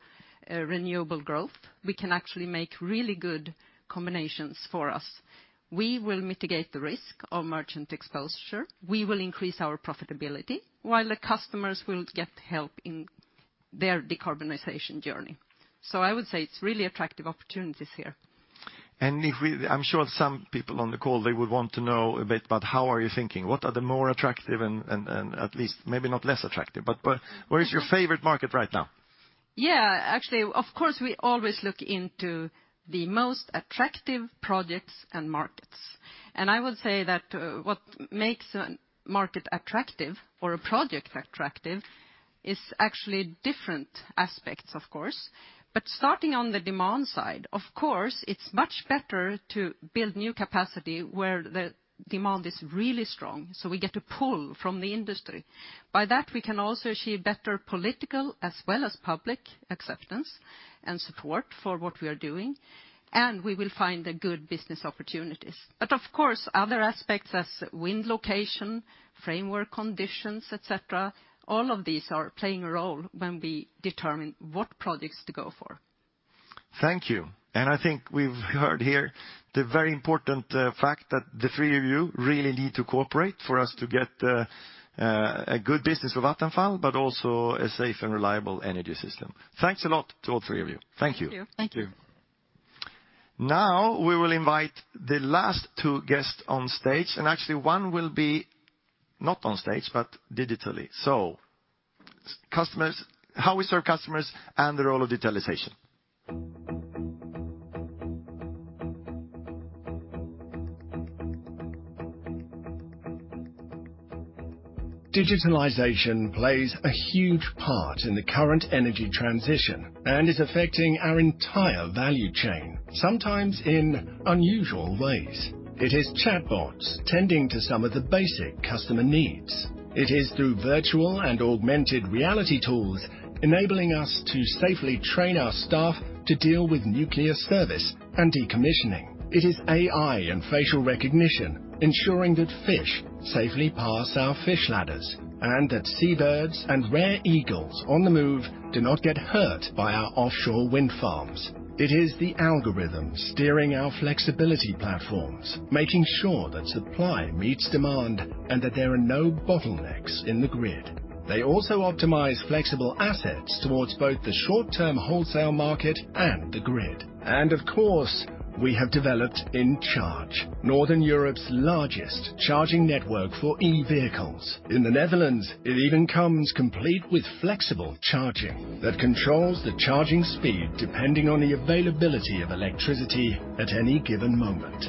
renewable growth, we can actually make really good combinations for us. We will mitigate the risk of merchant exposure. We will increase our profitability while the customers will get help in their decarbonization journey. I would say it's really attractive opportunities here. I'm sure some people on the call, they would want to know a bit about how are you thinking. What are the more attractive and at least maybe not less attractive, but where is your favorite market right now? Yeah. Actually, of course, we always look into the most attractive projects and markets. I would say that what makes a market attractive or a project attractive is actually different aspects, of course, but starting on the demand side. Of course, it's much better to build new capacity where the demand is really strong, so we get to pull from the industry. By that, we can also achieve better political as well as public acceptance and support for what we are doing, and we will find the good business opportunities. Of course, other aspects as wind location, framework conditions, et cetera, all of these are playing a role when we determine what projects to go for. Thank you. I think we've heard here the very important fact that the three of you really need to cooperate for us to get a good business with Vattenfall, but also a safe and reliable energy system. Thanks a lot to all three of you. Thank you. Thank you. Thank you. We will invite the last two guests on stage, and actually one will be not on stage, but digitally. Customers, how we serve customers, and the role of digitalization. Digitalization plays a huge part in the current energy transition and is affecting our entire value chain, sometimes in unusual ways. It is chatbots tending to some of the basic customer needs. It is through virtual and augmented reality tools, enabling us to safely train our staff to deal with nuclear service and decommissioning. It is AI and facial recognition ensuring that fish safely pass our fish ladders, and that sea birds and rare eagles on the move do not get hurt by our offshore wind farms. It is the algorithm steering our flexibility platforms, making sure that supply meets demand and that there are no bottlenecks in the grid. They also optimize flexible assets towards both the short-term wholesale market and the grid. Of course, we have developed InCharge, Northern Europe's largest charging network for e-vehicles. In the Netherlands, it even comes complete with flexible charging that controls the charging speed depending on the availability of electricity at any given moment.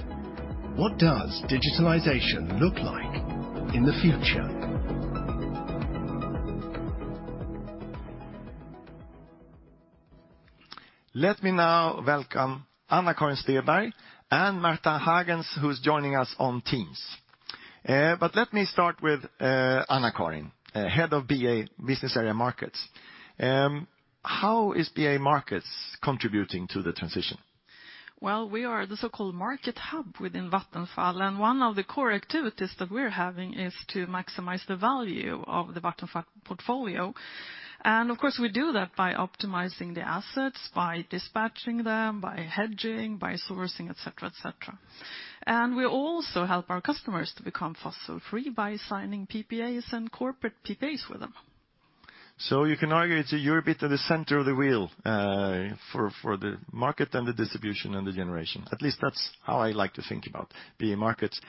What does digitalization look like in the future? Let me now welcome Anna-Karin Stenberg and Martijn Hagens, who's joining us on Teams. Let me start with Anna-Karin, Head of BA, Business Area Markets. How is BA Markets contributing to the transition? Well, we are the so-called market hub within Vattenfall, and one of the core activities that we're having is to maximize the value of the Vattenfall portfolio and, of course, we do that by optimizing the assets, by dispatching them, by hedging, by sourcing, et cetera. We also help our customers to become fossil-free by signing PPAs and corporate PPAs with them. You can argue that you're a bit at the center of the wheel for the market and the distribution and the generation. At least that's how I like to think about BA Markets.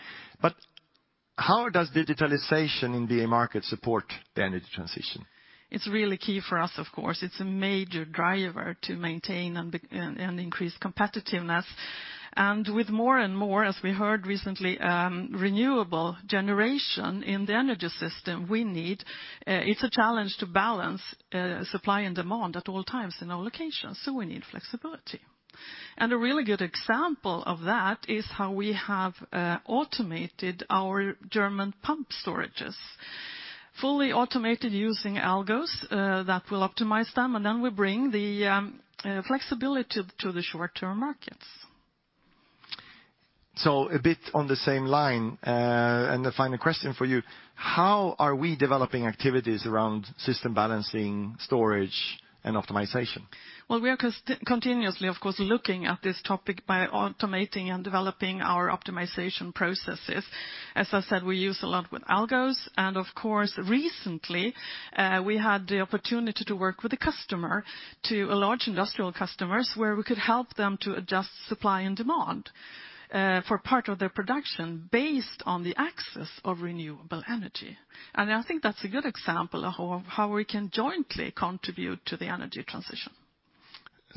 How does digitalization in BA Markets support the energy transition? It's really key for us, of course. It's a major driver to maintain and increase competitiveness. With more and more, as we heard recently, renewable generation in the energy system we need, it's a challenge to balance supply and demand at all times in all locations. We need flexibility. A really good example of that is how we have automated our German pump storages, fully automated using algos that will optimize them, and then we bring the flexibility to the short-term markets. A bit on the same line, and the final question for you, how are we developing activities around system balancing, storage, and optimization? Well, we are continuously, of course, looking at this topic by automating and developing our optimization processes. As I said, we use a lot with algos and, of course, recently, we had the opportunity to work with a customer, two large industrial customers, where we could help them to adjust supply and demand for part of their production based on the axis of renewable energy. I think that's a good example of how we can jointly contribute to the energy transition.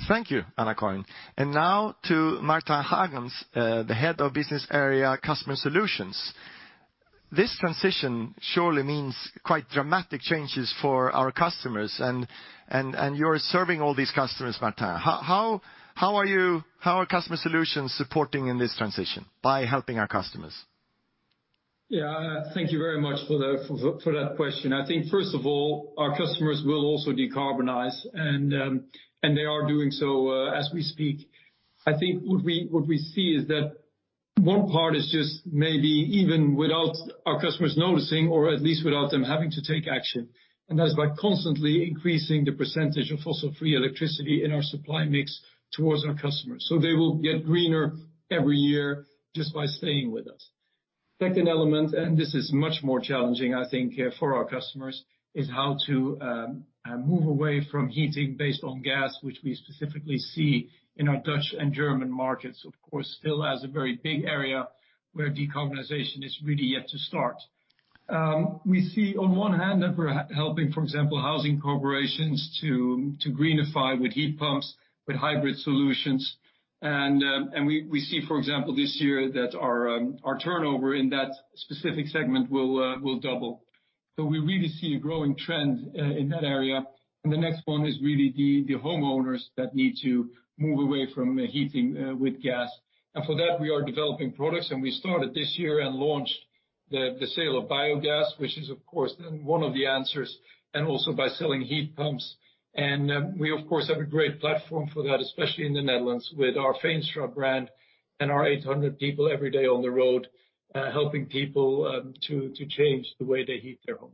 Thank you, Anna-Karin. Now to Martijn Hagens, the Head of Business Area Customer Solutions. This transition surely means quite dramatic changes for our customers and you're serving all these customers, Martijn. How are Customer Solutions supporting in this transition by helping our customers? Yeah. Thank you very much for that question. I think first of all, our customers will also decarbonize and they are doing so, as we speak. I think what we see is that one part is just maybe even without our customers noticing, or at least without them having to take action, and that's by constantly increasing the percentage of fossil-free electricity in our supply mix towards our customers. They will get greener every year just by staying with us. Second element, and this is much more challenging, I think, for our customers, is how to move away from heating based on gas, which we specifically see in our Dutch and German markets, of course, still as a very big area where decarbonization is really yet to start. We see on one hand that we're helping, for example, housing corporations to greenify with heat pumps, with HYBRIT solutions. We see, for example, this year that our turnover in that specific segment will double. We really see a growing trend in that area. The next one is really the homeowners that need to move away from heating with gas. For that, we are developing products, and we started this year and launched the sale of biogas, which is, of course, one of the answers, and also by selling heat pumps. We, of course, have a great platform for that, especially in the Netherlands with our Feenstra brand and our 800 people every day on the road, helping people to change the way they heat their homes.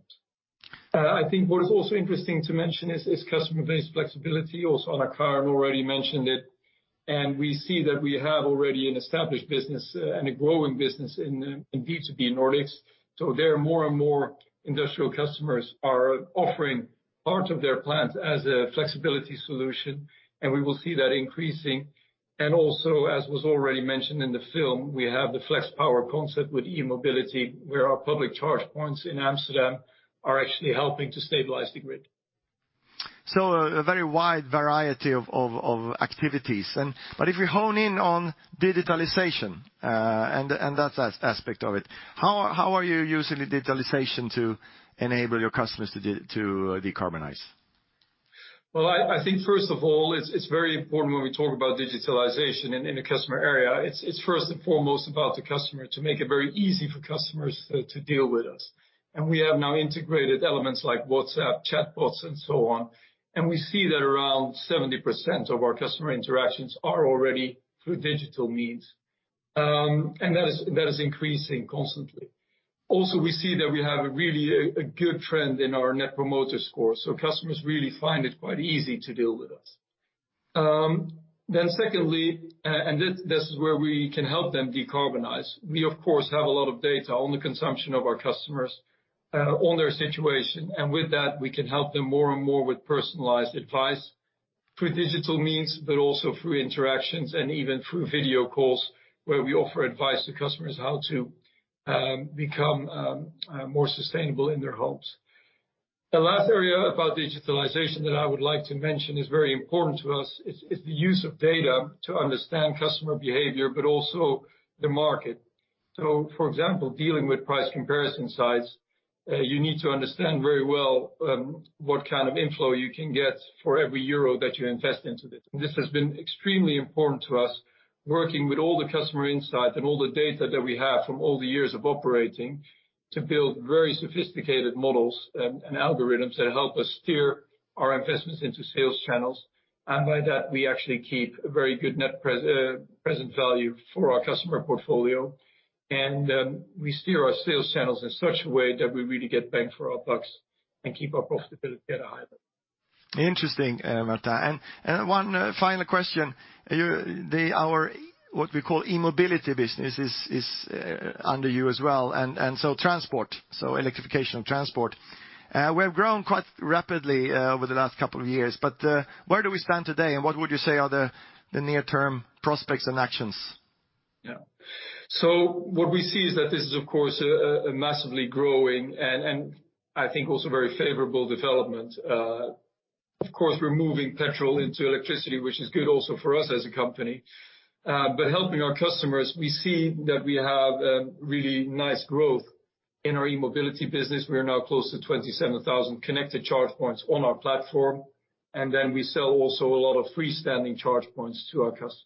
I think what is also interesting to mention is customer-based flexibility. Also, Anna-Karin Stenberg already mentioned it, and we see that we have already an established business and a growing business in B2B Nordics. There are more and more industrial customers are offering parts of their plants as a flexibility solution, and we will see that increasing. Also, as was already mentioned in the film, we have the flex power concept with e-mobility, where our public charge points in Amsterdam are actually helping to stabilize the grid. A very wide variety of activities, but if we hone in on digitalization, and that aspect of it, how are you using the digitalization to enable your customers to decarbonize? I think first of all, it's very important when we talk about digitalization in the customer area, it's first and foremost about the customer, to make it very easy for customers to deal with us. We have now integrated elements like WhatsApp, chatbots, and so on. We see that around 70% of our customer interactions are already through digital means and that is increasing constantly. Also, we see that we have really a good trend in our Net Promoter Score, so customers really find it quite easy to deal with us. Secondly, this is where we can help them decarbonize. We, of course, have a lot of data on the consumption of our customers, on their situation. With that, we can help them more and more with personalized advice through digital means, but also through interactions and even through video calls, where we offer advice to customers how to become more sustainable in their homes. The last area about digitalization that I would like to mention is very important to us, is the use of data to understand customer behavior, but also the market. For example, dealing with price comparison sites, you need to understand very well what kind of inflow you can get for every Euro that you invest into this. This has been extremely important to us, working with all the customer insight, and all the data that we have from all the years of operating to build very sophisticated models and algorithms that help us steer our investments into sales channels. By that, we actually keep a very good net present value for our customer portfolio. We steer our sales channels in such a way that we really get bang for our bucks and keep our profitability at a high level. Interesting, Martijn, and then one final question. What we call e-mobility business is under you as well, and so transport, so electrification of transport. We have grown quite rapidly over the last couple of years, but where do we stand today, and what would you say are the near-term prospects and actions? What we see is that this is, of course, a massively growing, and I think also very favorable development. Of course, we're moving petrol into electricity, which is good also for us as a company, but helping our customers, we see that we have really nice growth in our e-mobility business, we are now close to 27,000 connected charge points on our platform. We sell also a lot of freestanding charge points to our customers.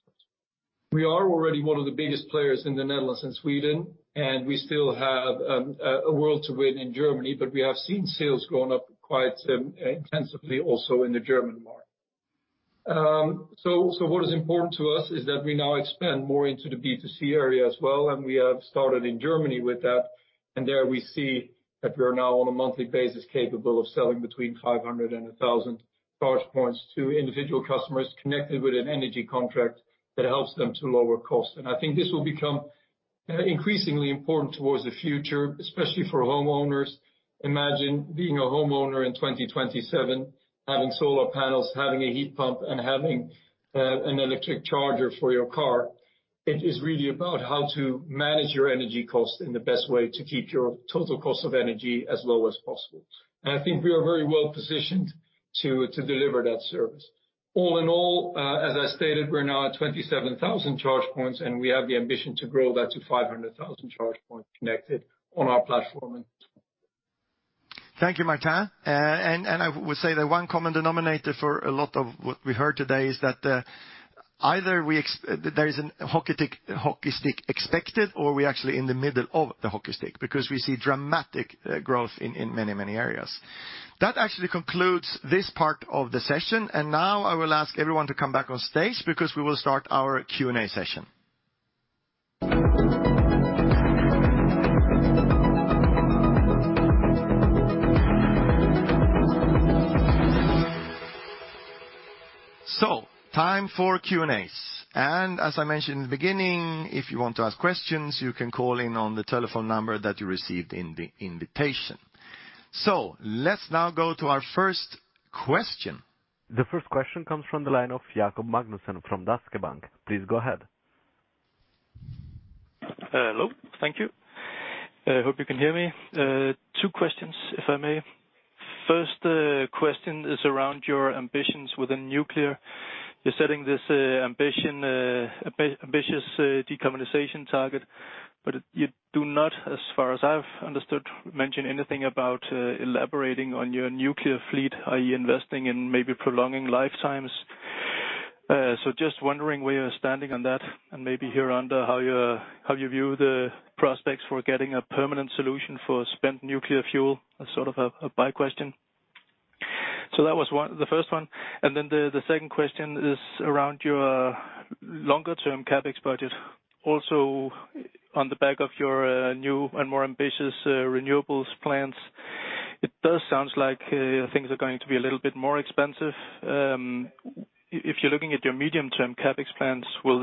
We are already one of the biggest players in the Netherlands and Sweden, and we still have a world to win in Germany, but we have seen sales going up quite intensively also in the German market. What is important to us is that we now expand more into the B2C area as well, and we have started in Germany with that. There we see that we are now on a monthly basis capable of selling between 500 and 1,000 charge points to individual customers connected with an energy contract that helps them to lower cost. I think this will become increasingly important towards the future, especially for homeowners. Imagine being a homeowner in 2027, having solar panels, having a heat pump, and having an electric charger for your car. It is really about how to manage your energy cost in the best way to keep your total cost of energy as low as possible. I think we are very well-positioned to deliver that service. All in all, as I stated, we're now at 27,000 charge points, and we have the ambition to grow that to 500,000 charge points connected on our platform. Thank you, Martijn. I would say the one common denominator for a lot of what we heard today is that either there is a hockey stick expected, or we're actually in the middle of the hockey stick, because we see dramatic growth in many, many areas. That actually concludes this part of the session. Now I will ask everyone to come back on stage because we will start our Q&A session. Time for Q&As, and as I mentioned in the beginning, if you want to ask questions, you can call in on the telephone number that you received in the invitation. Let's now go to our first question. The first question comes from the line of Jakob Magnussen from Danske Bank. Please go ahead. Hello. Thank you. I hope you can hear me, two questions, if I may. First question is around your ambitions within nuclear. You're setting this ambitious decarbonization target, but you do not, as far as I've understood, mention anything about elaborating on your nuclear fleet. Are you investing in maybe prolonging lifetimes? So just wondering where you're standing on that, and maybe here, Anna, how you view the prospects for getting a permanent solution for spent nuclear fuel as sort of a by question, so that was the first one. The second question is around your longer-term CapEx budget, also on the back of your new and more ambitious renewables plans. It does sound like things are going to be a little bit more expensive. If you're looking at your medium-term CapEx plans, will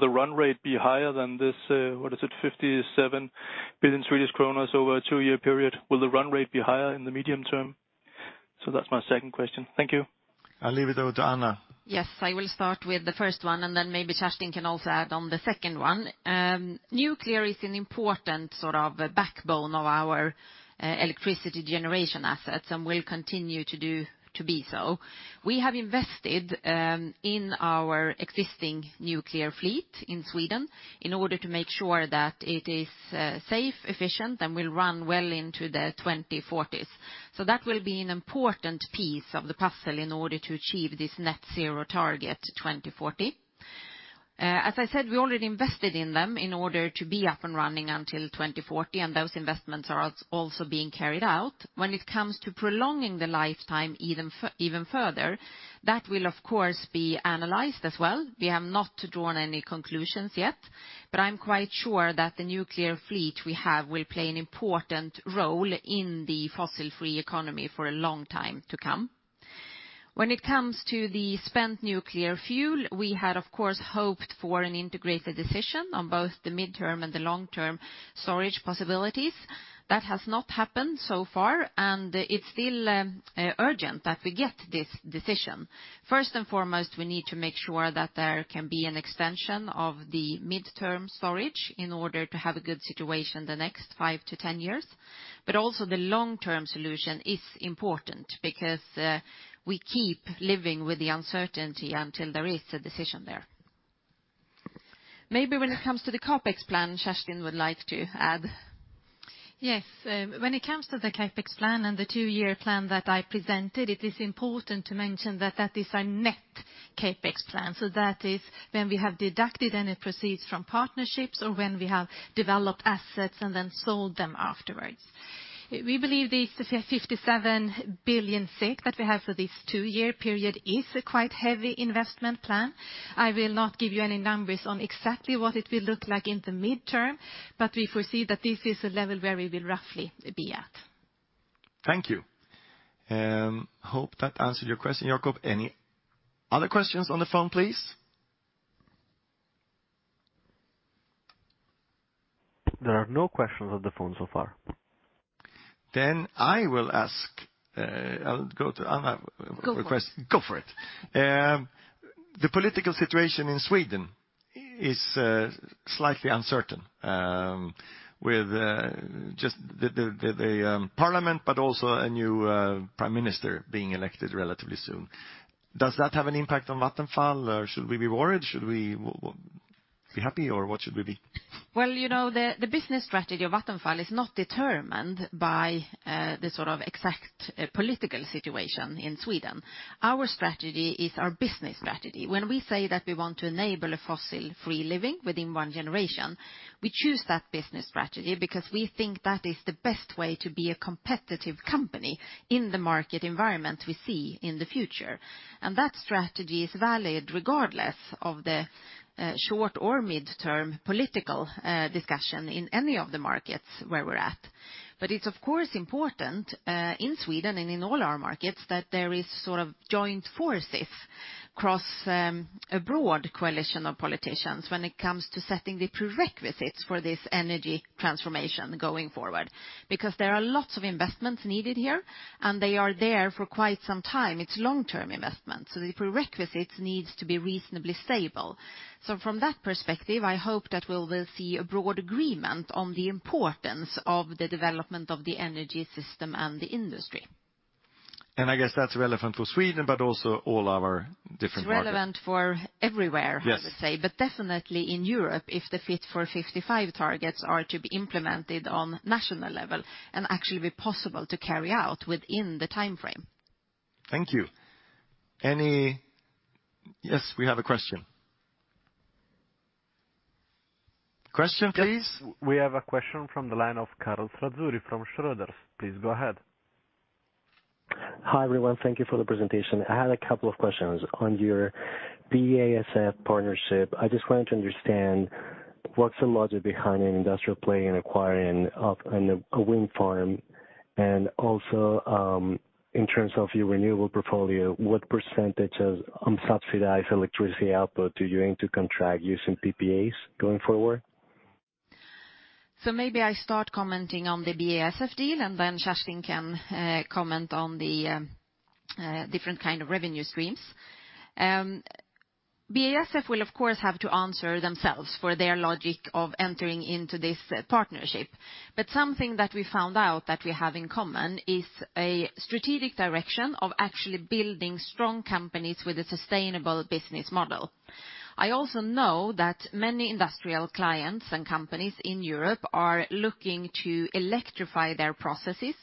the run rate be higher than this, what is it, 57 billion Swedish kronor over a two-year period? Will the run rate be higher in the medium term? That's my second question. Thank you. I'll leave it over to Anna. I will start with the 1st one, and then maybe Kerstin can also add on the second one. Nuclear is an important sort of backbone of our electricity generation assets and will continue to be so. We have invested in our existing nuclear fleet in Sweden in order to make sure that it is safe, efficient, and will run well into the 2040s. That will be an important piece of the puzzle in order to achieve this net zero target 2040. As I said, we already invested in them in order to be up and running until 2040, and those investments are also being carried out. When it comes to prolonging the lifetime even further, that will of course be analyzed as well. We have not drawn any conclusions yet, but I'm quite sure that the nuclear fleet we have will play an important role in the fossil-free economy for a long time to come. When it comes to the spent nuclear fuel, we had, of course, hoped for an integrated decision on both the midterm and the long-term storage possibilities. That has not happened so far, and it's still urgent that we get this decision. First and foremost, we need to make sure that there can be an extension of the midterm storage in order to have a good situation the next five years to 10 years. Also the long-term solution is important because we keep living with the uncertainty until there is a decision there. Maybe when it comes to the CapEx plan, Kerstin would like to add. Yes. When it comes to the CapEx plan and the two-year plan that I presented, it is important to mention that is a net CapEx plan. That is when we have deducted any proceeds from partnerships or when we have developed assets and then sold them afterwards. We believe the 57 billion that we have for this two-year period is a quite heavy investment plan. I will not give you any numbers on exactly what it will look like in the midterm, but we foresee that this is a level where we will roughly be at. Thank you. I hope that answered your question, Jakob. Any other questions on the phone, please? There are no questions on the phone so far. I will ask. I'll go to Anna. Go for it. Go for it. The political situation in Sweden is slightly uncertain with just the parliament, but also a new prime minister being elected relatively soon. Does that have an impact on Vattenfall, or should we be worried, should we be happy, or what should we be? Well, the business strategy of Vattenfall is not determined by the exact political situation in Sweden. Our strategy is our business strategy. When we say that we want to enable a fossil-free living within one generation, we choose that business strategy because we think that is the best way to be a competitive company in the market environment we see in the future. That strategy is valid regardless of the short or mid-term political discussion in any of the markets where we're at. It's, of course, important, in Sweden and in all our markets, that there is joint forces across a broad coalition of politicians when it comes to setting the prerequisites for this energy transformation going forward, because there are lots of investments needed here, and they are there for quite some time. It's long-term investments, so the prerequisites needs to be reasonably stable. From that perspective, I hope that we will see a broad agreement on the importance of the development of the energy system and the industry. That's relevant for Sweden, but also all our different markets. It's relevant for everywhere. Yes I would say. Definitely in Europe, if the Fit for 55 targets are to be implemented on national level and actually be possible to carry out within the timeframe. Thank you. Yes, we have a question. Question, please. We have a question from the line of Karim Sadouri from Schroders. Please go ahead. Hi, everyone. Thank you for the presentation. I had a couple of questions on your BASF partnership, I just wanted to understand what's the logic behind an industrial play in acquiring a wind farm? Also, in terms of your renewable portfolio, what percentage of subsidized electricity output do you aim to contract using PPAs going forward? I start commenting on the BASF deal, and then Kerstin can comment on the different kind of revenue streams. BASF will, of course, have to answer themselves for their logic of entering into this partnership. Something that we found out that we have in common is a strategic direction of actually building strong companies with a sustainable business model. I also know that many industrial clients and companies in Europe are looking to electrify their processes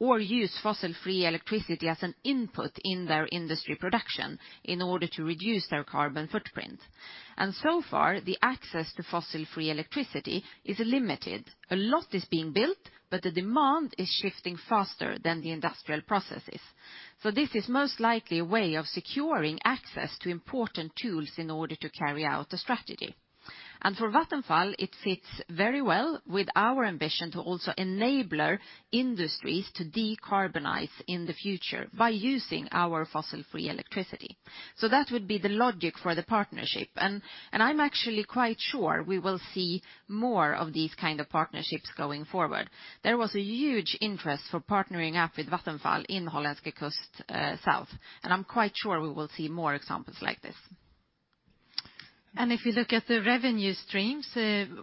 or use fossil-free electricity as an input in their industry production in order to reduce their carbon footprint. So far, the access to fossil-free electricity is limited. A lot is being built, but the demand is shifting faster than the industrial processes. This is most likely a way of securing access to important tools in order to carry out the strategy. For Vattenfall, it fits very well with our ambition to also enabler industries to decarbonize in the future by using our fossil-free electricity, so that would be the logic for the partnership, I'm actually quite sure we will see more of these kind of partnerships going forward. There was a huge interest for partnering up with Vattenfall in Hollandse Kust Zuid and I'm quite sure we will see more examples like this. If you look at the revenue streams we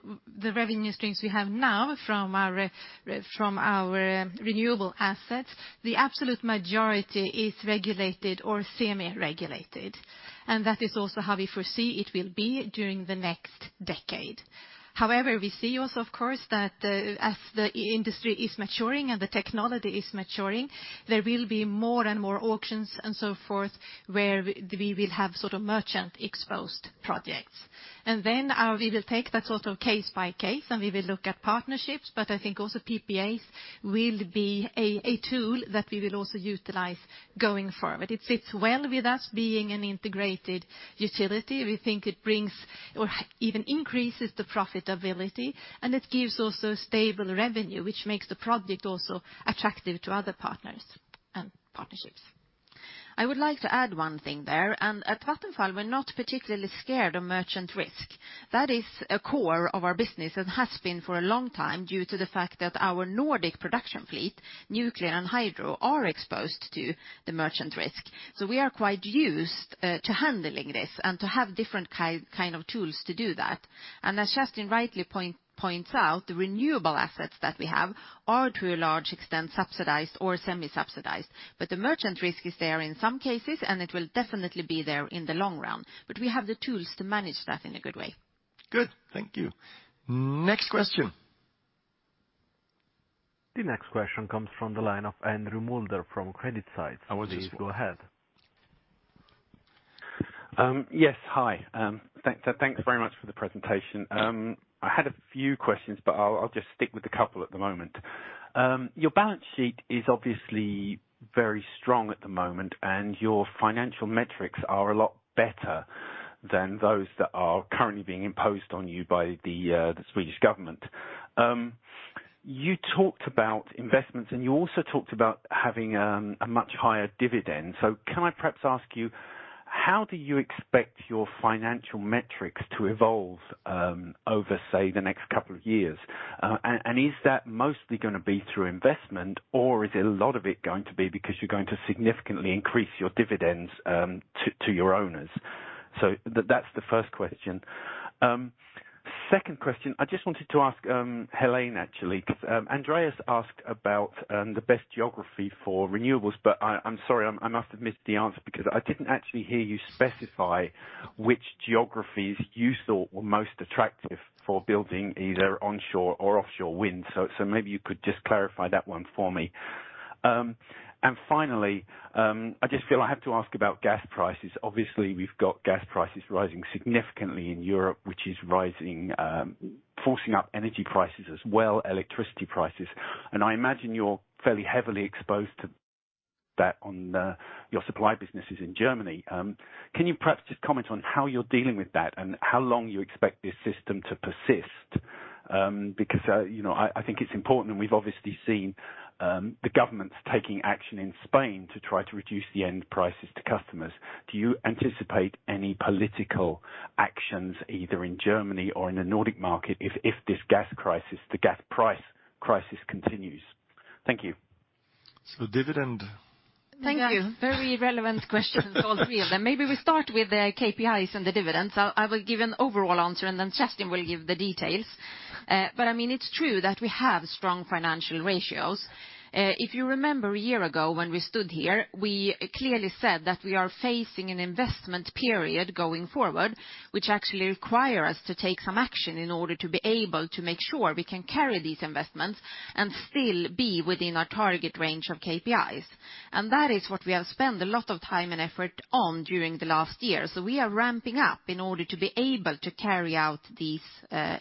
have now from our renewable assets, the absolute majority is regulated or semi-regulated. That is also how we foresee it will be during the next decade. However, we see also, of course, that as the industry is maturing and the technology is maturing, there will be more and more auctions and so forth, where we will have merchant exposed projects. We will take that sort of case by case, and we will look at partnerships, but I think also PPAs will be a tool that we will also utilize going forward. It fits well with us being an integrated utility. We think it brings or even increases the profitability, and it gives also stable revenue, which makes the project also attractive to other partners and partnerships. I would like to add one thing there. At Vattenfall, we're not particularly scared of merchant risk. That is a core of our business and has been for a long time due to the fact that our Nordic production fleet, nuclear and hydro, are exposed to the merchant risk. We are quite used to handling this and to have different kind of tools to do that. As Kerstin rightly points out, the renewable assets that we have are to a large extent subsidized or semi-subsidized. The merchant risk is there in some cases and it will definitely be there in the long run. We have the tools to manage that in a good way. Good. Thank you. Next question. The next question comes from the line of Andrew Moulder from CreditSights. Please go ahead. Yes, hi, so thanks very much for the presentation. I had a few questions, but I'll just stick with a couple at the moment. Your balance sheet is obviously very strong at the moment, and your financial metrics are a lot better than those that are currently being imposed on you by the Swedish government. You talked about investments, and you also talked about having a much higher dividend. Can I perhaps ask you, how do you expect your financial metrics to evolve over, say, the next couple of years? Is that mostly going to be through investment, or is a lot of it going to be because you're going to significantly increase your dividends to your owners? That's the first question. Second question, I just wanted to ask Helene, actually. Andreas asked about the best geography for renewables, but I'm sorry, I must have missed the answer because I didn't actually hear you specify which geographies you thought were most attractive for building either onshore or offshore wind. Maybe you could just clarify that one for me. Finally, I just feel I have to ask about gas prices. We've got gas prices rising significantly in Europe, which is forcing up energy prices as well, electricity prices, and I imagine you're fairly heavily exposed to that on your supply businesses in Germany. Can you perhaps just comment on how you're dealing with that and how long you expect this system to persist? I think it's important, and we've obviously seen the governments taking action in Spain to try to reduce the end prices to customers. Do you anticipate any political actions, either in Germany or in the Nordic market if this gas price crisis continues? Thank you. Dividend. Thank you. Very relevant questions, all three of them. Maybe we start with the KPIs and the dividends. I will give an overall answer, and then Kerstin will give the details. It's true that we have strong financial ratios. If you remember a year ago when we stood here, we clearly said that we are facing an investment period going forward, which actually require us to take some action in order to be able to make sure we can carry these investments and still be within our target range of KPIs. That is what we have spent a lot of time and effort on during the last year. We are ramping up in order to be able to carry out these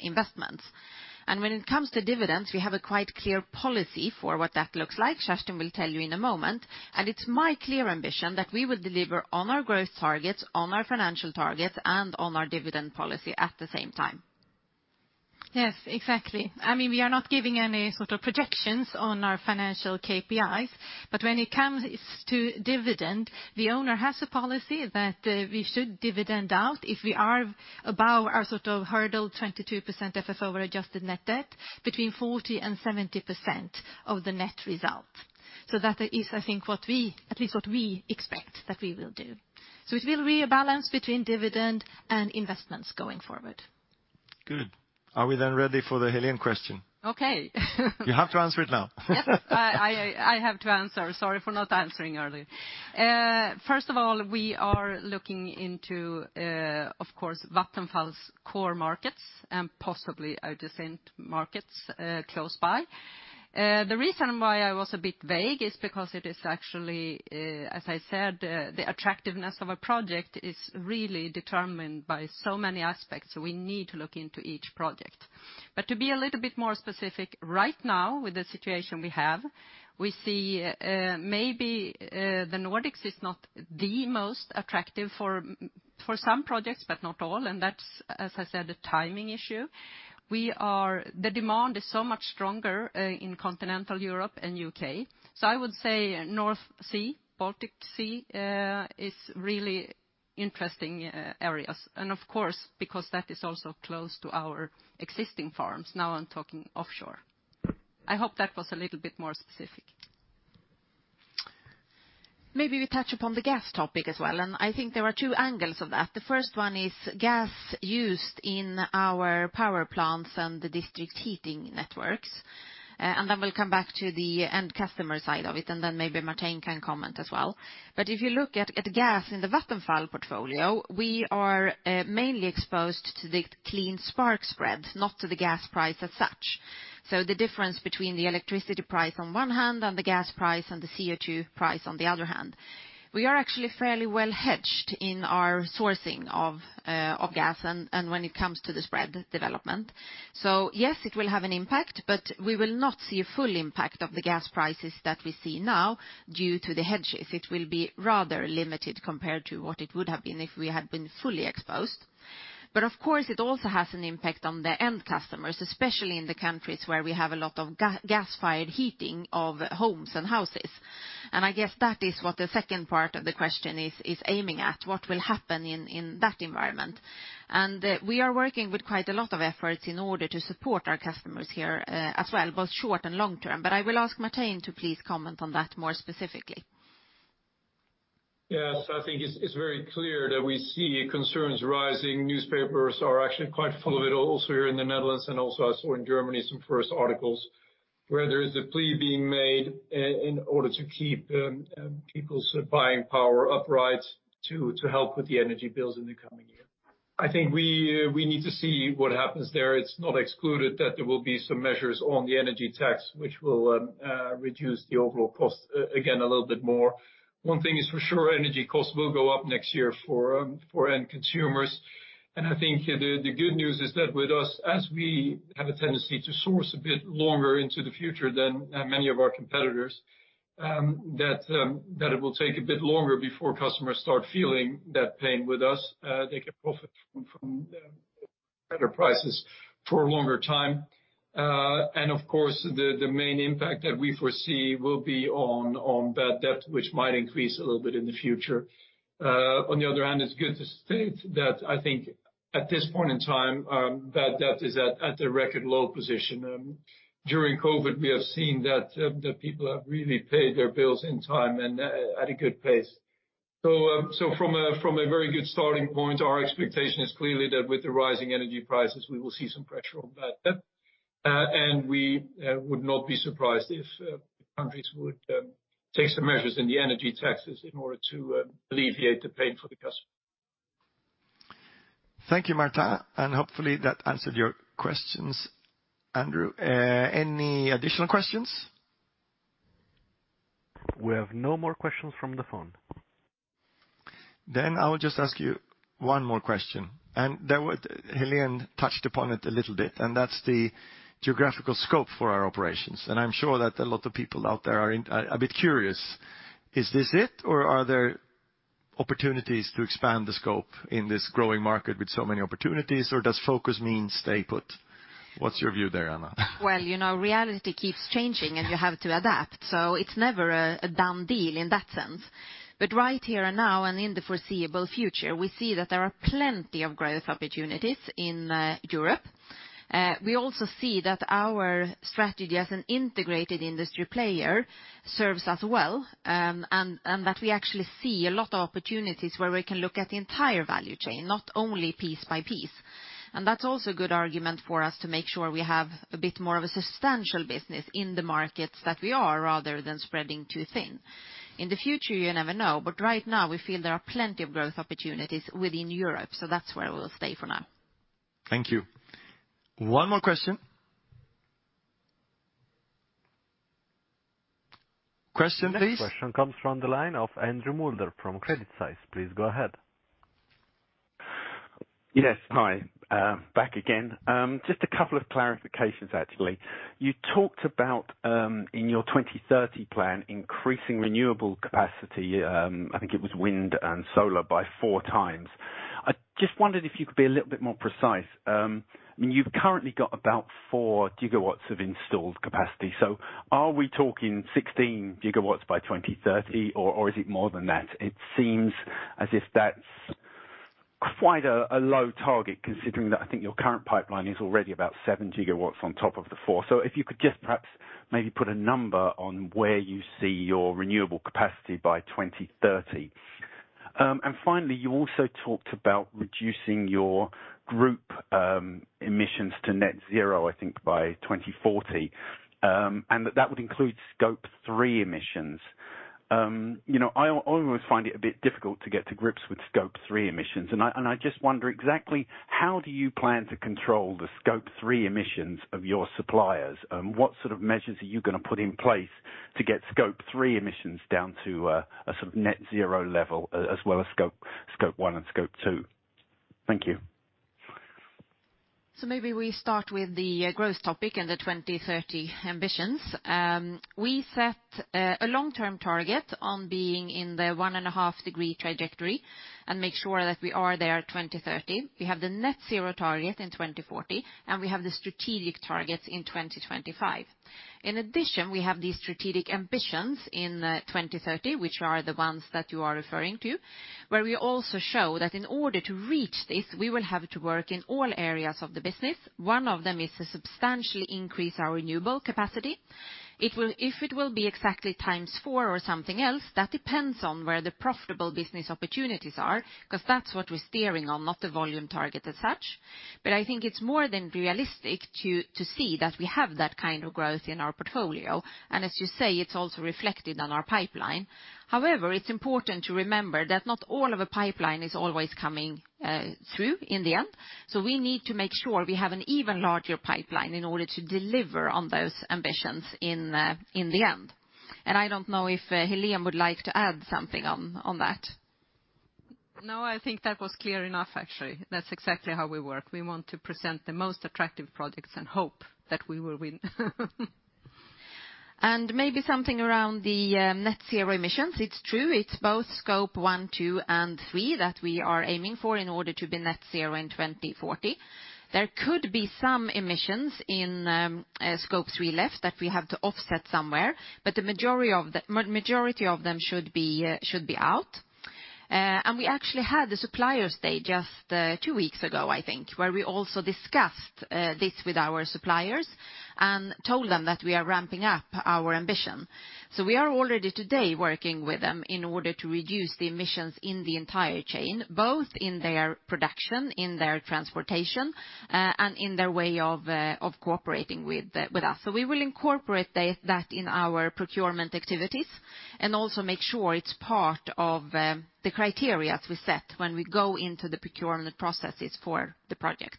investments. When it comes to dividends, we have a quite clear policy for what that looks like. Kerstin will tell you in a moment, and it's my clear ambition that we will deliver on our growth targets, on our financial targets, and on our dividend policy at the same time. Yes, exactly. We are not giving any sort of projections on our financial KPIs, but when it comes to dividend, the owner has a policy that we should dividend out if we are above our sort of hurdle 22% FFO-adjusted net debt between 40% and 70% of the net result. That is, I think, at least what we expect that we will do. It will rebalance between dividend and investments going forward. Good. Are we then ready for the Helene question? Okay. You have to answer it now. Yep. I have to answer. Sorry for not answering earlier. First of all, we are looking into, of course, Vattenfall's core markets and possibly adjacent markets close by. The reason why I was a bit vague is because it is actually, as I said, the attractiveness of a project is really determined by so many aspects. We need to look into each project. To be a little bit more specific, right now, with the situation we have, we see maybe the Nordics is not the most attractive for some projects, but not all. That's, as I said, a timing issue. The demand is so much stronger in continental Europe and U.K. I would say North Sea, Baltic Sea, is really interesting areas and, of course, because that is also close to our existing farms. Now I'm talking offshore. I hope that was a little bit more specific. Maybe we touch upon the gas topic as well, and I think there are two angles of that. The first one is gas used in our power plants and the district heating networks. Then we'll come back to the end customer side of it, and then maybe Martijn can comment as well. If you look at gas in the Vattenfall portfolio, we are mainly exposed to the Clean Spark Spread, not to the gas price as such. The difference between the electricity price on one hand and the gas price and the CO2 price on the other hand. We are actually fairly well hedged in our sourcing of gas and when it comes to the spread development. Yes, it will have an impact, but we will not see a full impact of the gas prices that we see now due to the hedges. It will be rather limited compared to what it would have been if we had been fully exposed. Of course, it also has an impact on the end customers, especially in the countries where we have a lot of gas-fired heating of homes and houses, and that is what the second part of the question is aiming at, what will happen in that environment. We are working with quite a lot of efforts in order to support our customers here, as well, both short and long term. I will ask Martijn to please comment on that more specifically. Yes, I think it's very clear that we see concerns rising. Newspapers are actually quite full of it also here in the Netherlands and also I saw in Germany some first articles where there is a plea being made in order to keep people's buying power upright to help with the energy bills in the coming year. I think we need to see what happens there. It's not excluded that there will be some measures on the energy tax, which will reduce the overall cost again a little bit more. One thing is for sure, energy costs will go up next year for end consumers. I think the good news is that with us, as we have a tendency to source a bit longer into the future than many of our competitors, that it will take a bit longer before customers start feeling that pain with us. They can profit from better prices for a longer time. Of course, the main impact that we foresee will be on bad debt, which might increase a little bit in the future. On the other hand, it's good to state that I think at this point in time, bad debt is at a record low position. During COVID, we have seen that the people have really paid their bills in time and at a good pace. From a very good starting point, our expectation is clearly that with the rising energy prices, we will see some pressure on that debt. We would not be surprised if countries would take some measures in the energy taxes in order to alleviate the pain for the customer. Thank you, Martin, and hopefully that answered your questions, Andrew. Any additional questions? We have no more questions from the phone. I will just ask you one more question, and Helene touched upon it a little bit, and that's the geographical scope for our operations. I'm sure that a lot of people out there are a bit curious. Is this it, or are there opportunities to expand the scope in this growing market with so many opportunities, or does focus mean stay put? What's your view there, Anna? Well, reality keeps changing, and you have to adapt. It's never a done deal in that sense. Right here, and now, and in the foreseeable future, we see that there are plenty of growth opportunities in Europe. We also see that our strategy as an integrated industry player serves us well, and that we actually see a lot of opportunities where we can look at the entire value chain, not only piece by piece. That's also a good argument for us to make sure we have a bit more of a substantial business in the markets that we are, rather than spreading too thin. In the future, you never know, but right now we feel there are plenty of growth opportunities within Europe, so that's where we'll stay for now. Thank you. One more question. Question, please. Next question comes from the line of Andrew Moulder from CreditSights. Please go ahead. Yes, hi, back again, just a couple of clarifications, actually. You talked about, in your 2030 plan, increasing renewable capacity, I think it was wind and solar, by 4x. I just wondered if you could be a little bit more precise. You've currently got about 4 GW of installed capacity. Are we talking 16 GW by 2030, or is it more than that? It seems as if that's quite a low target considering that I think your current pipeline is already about 7 GW on top of the 4 GW. If you could just perhaps maybe put a number on where you see your renewable capacity by 2030. Finally, you also talked about reducing your group emissions to net zero, I think, by 2040, and that that would include Scope 3 emissions. I almost find it a bit difficult to get to grips with Scope 3 emissions, and I just wonder exactly how do you plan to control the Scope 3 emissions of your suppliers? What sort of measures are you going to put in place to get Scope 3 emissions down to a sort of net zero level as well as Scope 1 and Scope 2? Thank you. Maybe we start with the growth topic and the 2030 ambitions. We set a long-term target on being in the 1.5 degree trajectory and make sure that we are there 2030. We have the net zero target in 2040, and we have the strategic targets in 2025. In addition, we have these strategic ambitions in 2030, which are the ones that you are referring to, where we also show that in order to reach this, we will have to work in all areas of the business. One of them is to substantially increase our renewable capacity. If it will be exactly times four or something else, that depends on where the profitable business opportunities are, because that's what we're steering on, not the volume target as such. I think it's more than realistic to see that we have that kind of growth in our portfolio. As you say, it's also reflected on our pipeline. However, it's important to remember that not all of a pipeline is always coming through in the end. We need to make sure we have an even larger pipeline in order to deliver on those ambitions in the end and I don't know if Helene would like to add something on that. No, I think that was clear enough, actually. That's exactly how we work. We want to present the most attractive projects and hope that we will win. Maybe something around the net-zero emissions. It's true, it's both Scope 1, 2, and 3 that we are aiming for in order to be net-zero in 2040. There could be some emissions in Scope 3 left that we have to offset somewhere, but the majority of them should be out. We actually had the suppliers' day just two weeks ago, I think, where we also discussed this with our suppliers and told them that we are ramping up our ambition. We are already today working with them in order to reduce the emissions in the entire chain, both in their production, in their transportation, and in their way of cooperating with us. We will incorporate that in our procurement activities and also make sure it's part of the criteria we set when we go into the procurement processes for the projects.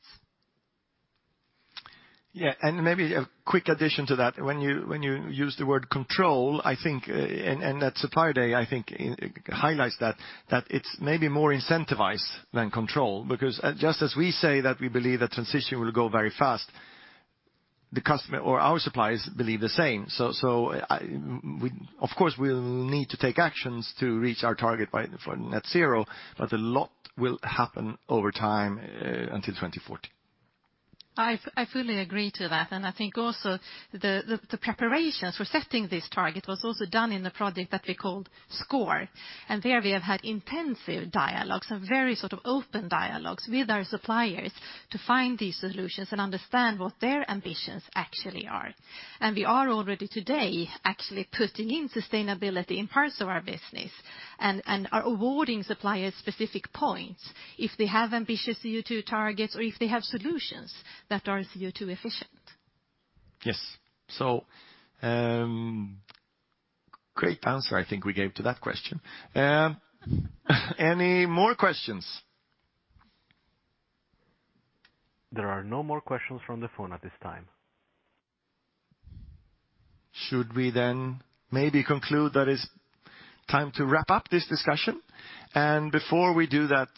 Yeah, maybe a quick addition to that. When you use the word control, and that supplier day, I think highlights that it's maybe more incentivized than control, because just as we say that we believe the transition will go very fast, our suppliers believe the same. Of course, we'll need to take actions to reach our target for net zero, but a lot will happen over time until 2040. I fully agree to that and I think also the preparations for setting this target was also done in the project that we called SCORE. There we have had intensive dialogues and very open dialogues with our suppliers to find these solutions and understand what their ambitions actually are. We are already today actually putting in sustainability in parts of our business and are awarding suppliers specific points if they have ambitious CO2 targets or if they have solutions that are CO2 efficient. Yes. Great answer I think we gave to that question. Any more questions? There are no more questions from the phone at this time. Should we then maybe conclude that it's time to wrap up this discussion? Before we do that,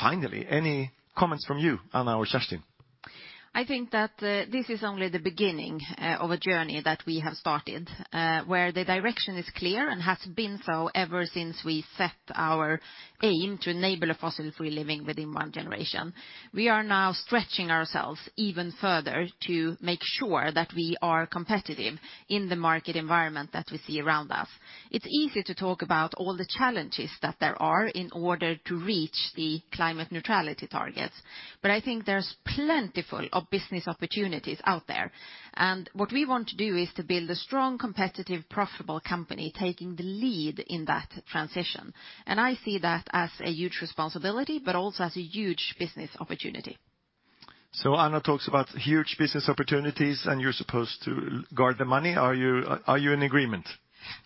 finally, any comments from you, Anna or Kerstin? I think that this is only the beginning of a journey that we have started, where the direction is clear and has been so ever since we set our aim to enable a fossil-free living within one generation. We are now stretching ourselves even further to make sure that we are competitive in the market environment that we see around us. It's easy to talk about all the challenges that there are in order to reach the climate neutrality targets. I think there's plentiful of business opportunities out there. What we want to do is to build a strong, competitive, profitable company, taking the lead in that transition. I see that as a huge responsibility, but also as a huge business opportunity. Anna talks about huge business opportunities and you're supposed to guard the money. Are you in agreement?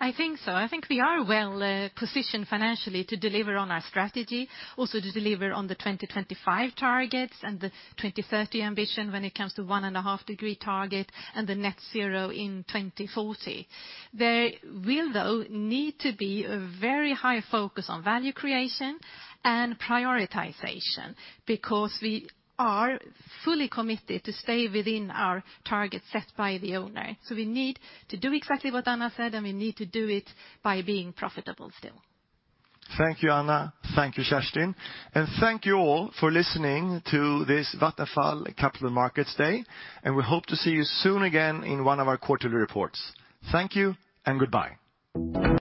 I think so. I think we are well-positioned financially to deliver on our strategy, also to deliver on the 2025 targets and the 2030 ambition when it comes to 1.5 degree target and the net zero in 2040. There will, though, need to be a very high focus on value creation and prioritization because we are fully committed to stay within our target set by the owner. We need to do exactly what Anna said, and we need to do it by being profitable still. Thank you, Anna. Thank you, Kerstin. Thank you all for listening to this Vattenfall Capital Markets Day and we hope to see you soon again in one of our quarterly reports. Thank you and goodbye.